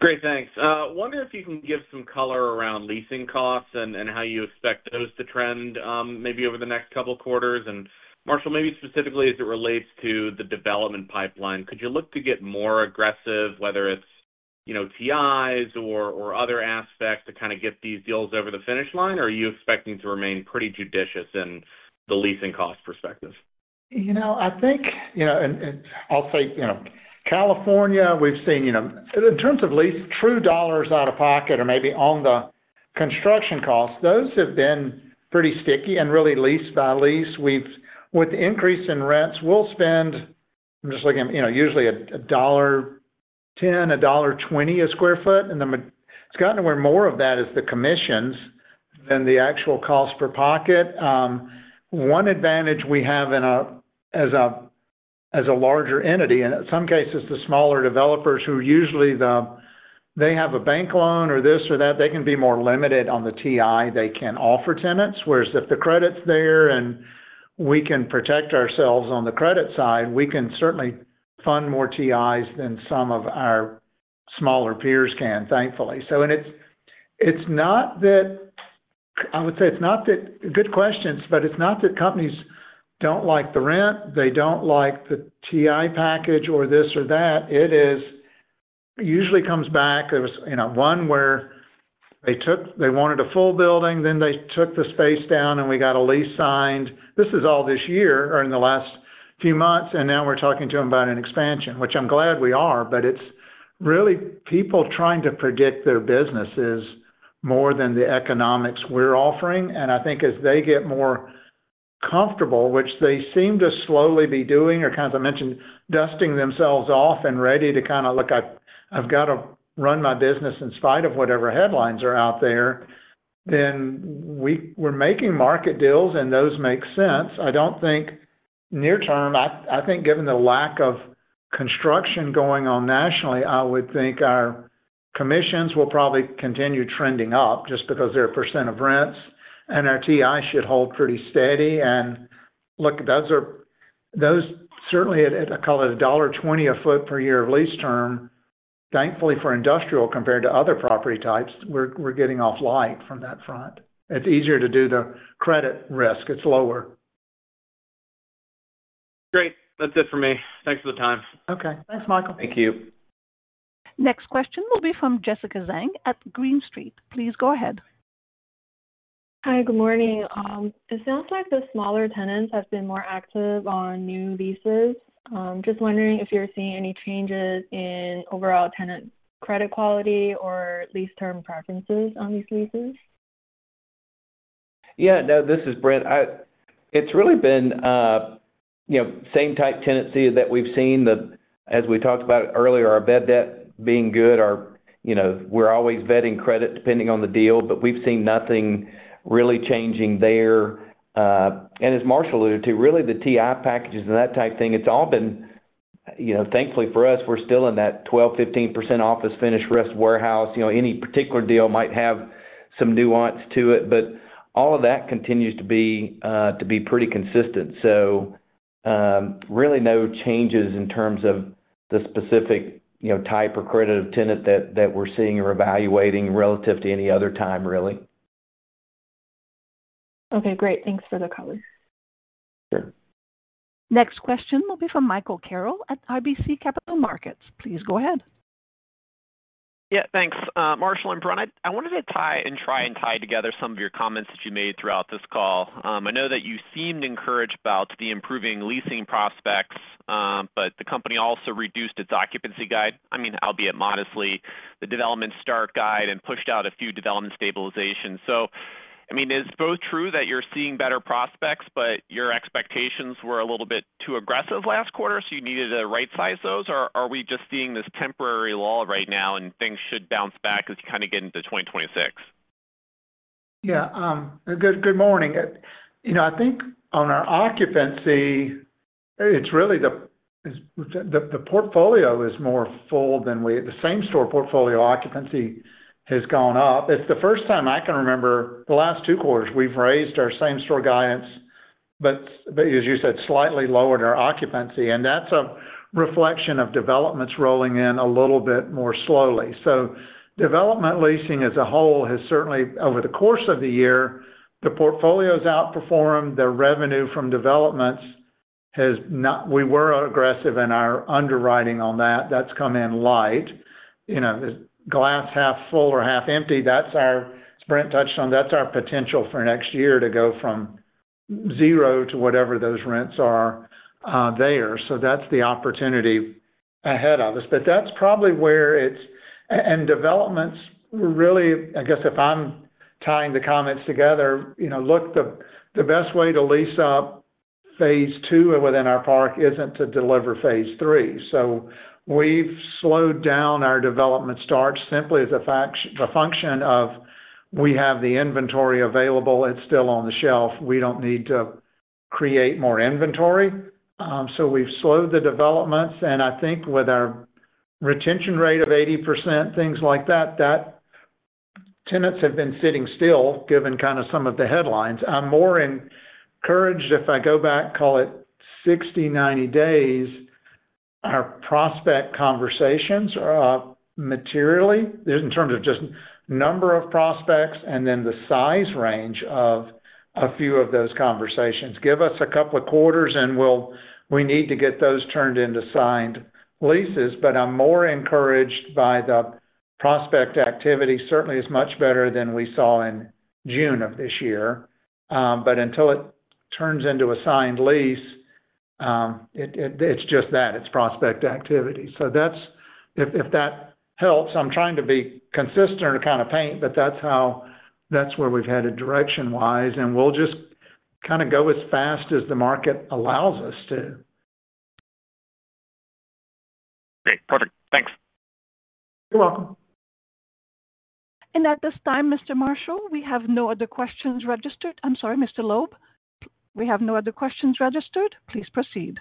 S18: Great, thanks. I wonder if you can give some color around leasing costs and how you expect those to trend maybe over the next couple of quarters. Marshall, maybe specifically as it relates to the development pipeline, could you look to get more aggressive, whether it's, you know, TIs or other aspects to kind of get these deals over the finish line? Are you expecting to remain pretty judicious in the leasing cost perspective?
S2: I think, and I'll say, California, we've seen in terms of lease, true dollars out of pocket or maybe on the construction costs, those have been pretty sticky and really lease by lease. With the increase in rents, we'll spend, I'm just looking, usually $1.10, $1.20 a sq ft. It's gotten to where more of that is the commissions than the actual cost per pocket. One advantage we have as a larger entity, in some cases, the smaller developers who usually have a bank loan or this or that, they can be more limited on the TI they can offer tenants. If the credit's there and we can protect ourselves on the credit side, we can certainly fund more TIs than some of our smaller peers can, thankfully. I would say it's not that, good questions, but it's not that companies don't like the rent, they don't like the TI package or this or that. It usually comes back, it was one where they took, they wanted a full building, then they took the space down and we got a lease signed. This is all this year or in the last few months. Now we're talking to them about an expansion, which I'm glad we are, but it's really people trying to predict their businesses more than the economics we're offering. I think as they get more comfortable, which they seem to slowly be doing or kind of, as I mentioned, dusting themselves off and ready to look, I've got to run my business in spite of whatever headlines are out there, we're making market deals and those make sense. I don't think near-term, I think given the lack of construction going on nationally, I would think our commissions will probably continue trending up just because they're a percent of rents and our TI should hold pretty steady. Look, those certainly, I call it $1.20 a ft per year of lease term, thankfully for industrial compared to other property types, we're getting off light from that front. It's easier to do the credit risk. It's lower.
S18: Great. That's it for me. Thanks for the time.
S2: Okay, thanks, Mike.
S18: Thank you.
S1: Next question will be from Jessica Zheng at Green Street. Please go ahead.
S19: Hi, good morning. It sounds like the smaller tenants have been more active on new leases. Just wondering if you're seeing any changes in overall tenant credit quality or lease term preferences on these leases?
S4: Yeah, no, this is Brent. It's really been, you know, same type tendency that we've seen. As we talked about earlier, our bad debt being good, we're always vetting credit depending on the deal, but we've seen nothing really changing there. As Marshall alluded to, really the TI packages and that type thing, it's all been, you know, thankfully for us, we're still in that 12-15% office finish risk warehouse. Any particular deal might have some nuance to it, but all of that continues to be pretty consistent. Really no changes in terms of the specific type or credit of tenant that we're seeing or evaluating relative to any other time, really.
S19: Okay, great. Thanks for the color.
S4: Sure.
S1: Next question will be from Michael Carroll at RBC Capital Markets. Please go ahead.
S20: Yeah, thanks. Marshall and Brent, I wanted to try and tie together some of your comments that you made throughout this call. I know that you seemed encouraged about the improving leasing prospects, but the company also reduced its occupancy guide, I mean, albeit modestly, the development start guide and pushed out a few development stabilizations. Is both true that you're seeing better prospects, but your expectations were a little bit too aggressive last quarter, so you needed to right-size those? Are we just seeing this temporary lull right now and things should bounce back as you kind of get into 2026?
S2: Yeah, good morning. I think on our occupancy, it's really the portfolio is more full than we, the same-store portfolio occupancy has gone up. It's the first time I can remember the last two quarters we've raised our same-store guidance, but as you said, slightly lowered our occupancy. That's a reflection of developments rolling in a little bit more slowly. Development leasing as a whole has certainly, over the course of the year, the portfolio's outperformed, the revenue from developments has not, we were aggressive in our underwriting on that. That's come in light. Glass half full or half empty, that's our, as Brent touched on, that's our potential for next year to go from zero to whatever those rents are there. That's been opportunity. Ahead of us, but that's probably where it's, and developments were really, I guess if I'm tying the comments together, you know, look, the best way to lease up phase two within our park isn't to deliver phase three. We've slowed down our development starts simply as a function of we have the inventory available. It's still on the shelf. We don't need to create more inventory. We've slowed the developments. I think with our retention rate of 80%, things like that, that tenants have been sitting still given kind of some of the headlines. I'm more encouraged if I go back, call it 60, 90 days, our prospect conversations are up materially in terms of just the number of prospects and then the size range of a few of those conversations. Give us a couple of quarters and we need to get those turned into signed leases. I'm more encouraged by the prospect activity. Certainly, it's much better than we saw in June of this year. Until it turns into a signed lease, it's just that, it's prospect activity. If that helps, I'm trying to be consistent or kind of paint, but that's how, that's where we've headed direction-wise. We'll just kind of go as fast as the market allows us to.
S21: Okay, perfect. Thanks.
S2: You're welcome.
S1: At this time, Mr. Marshall, Sorry, Mr. Loeb, we have no other questions registered. Please proceed.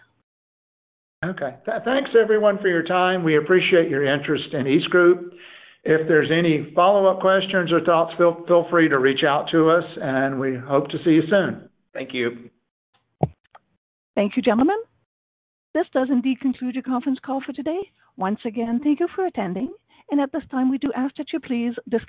S2: Okay. Thanks, everyone, for your time. We appreciate your interest in EastGroup. If there's any follow-up questions or thoughts, feel free to reach out to us. We hope to see you soon.
S4: Thank you.
S1: Thank you, gentlemen. This does indeed conclude your conference call for today. Once again, thank you for attending. At this time, we do ask that you please disconnect.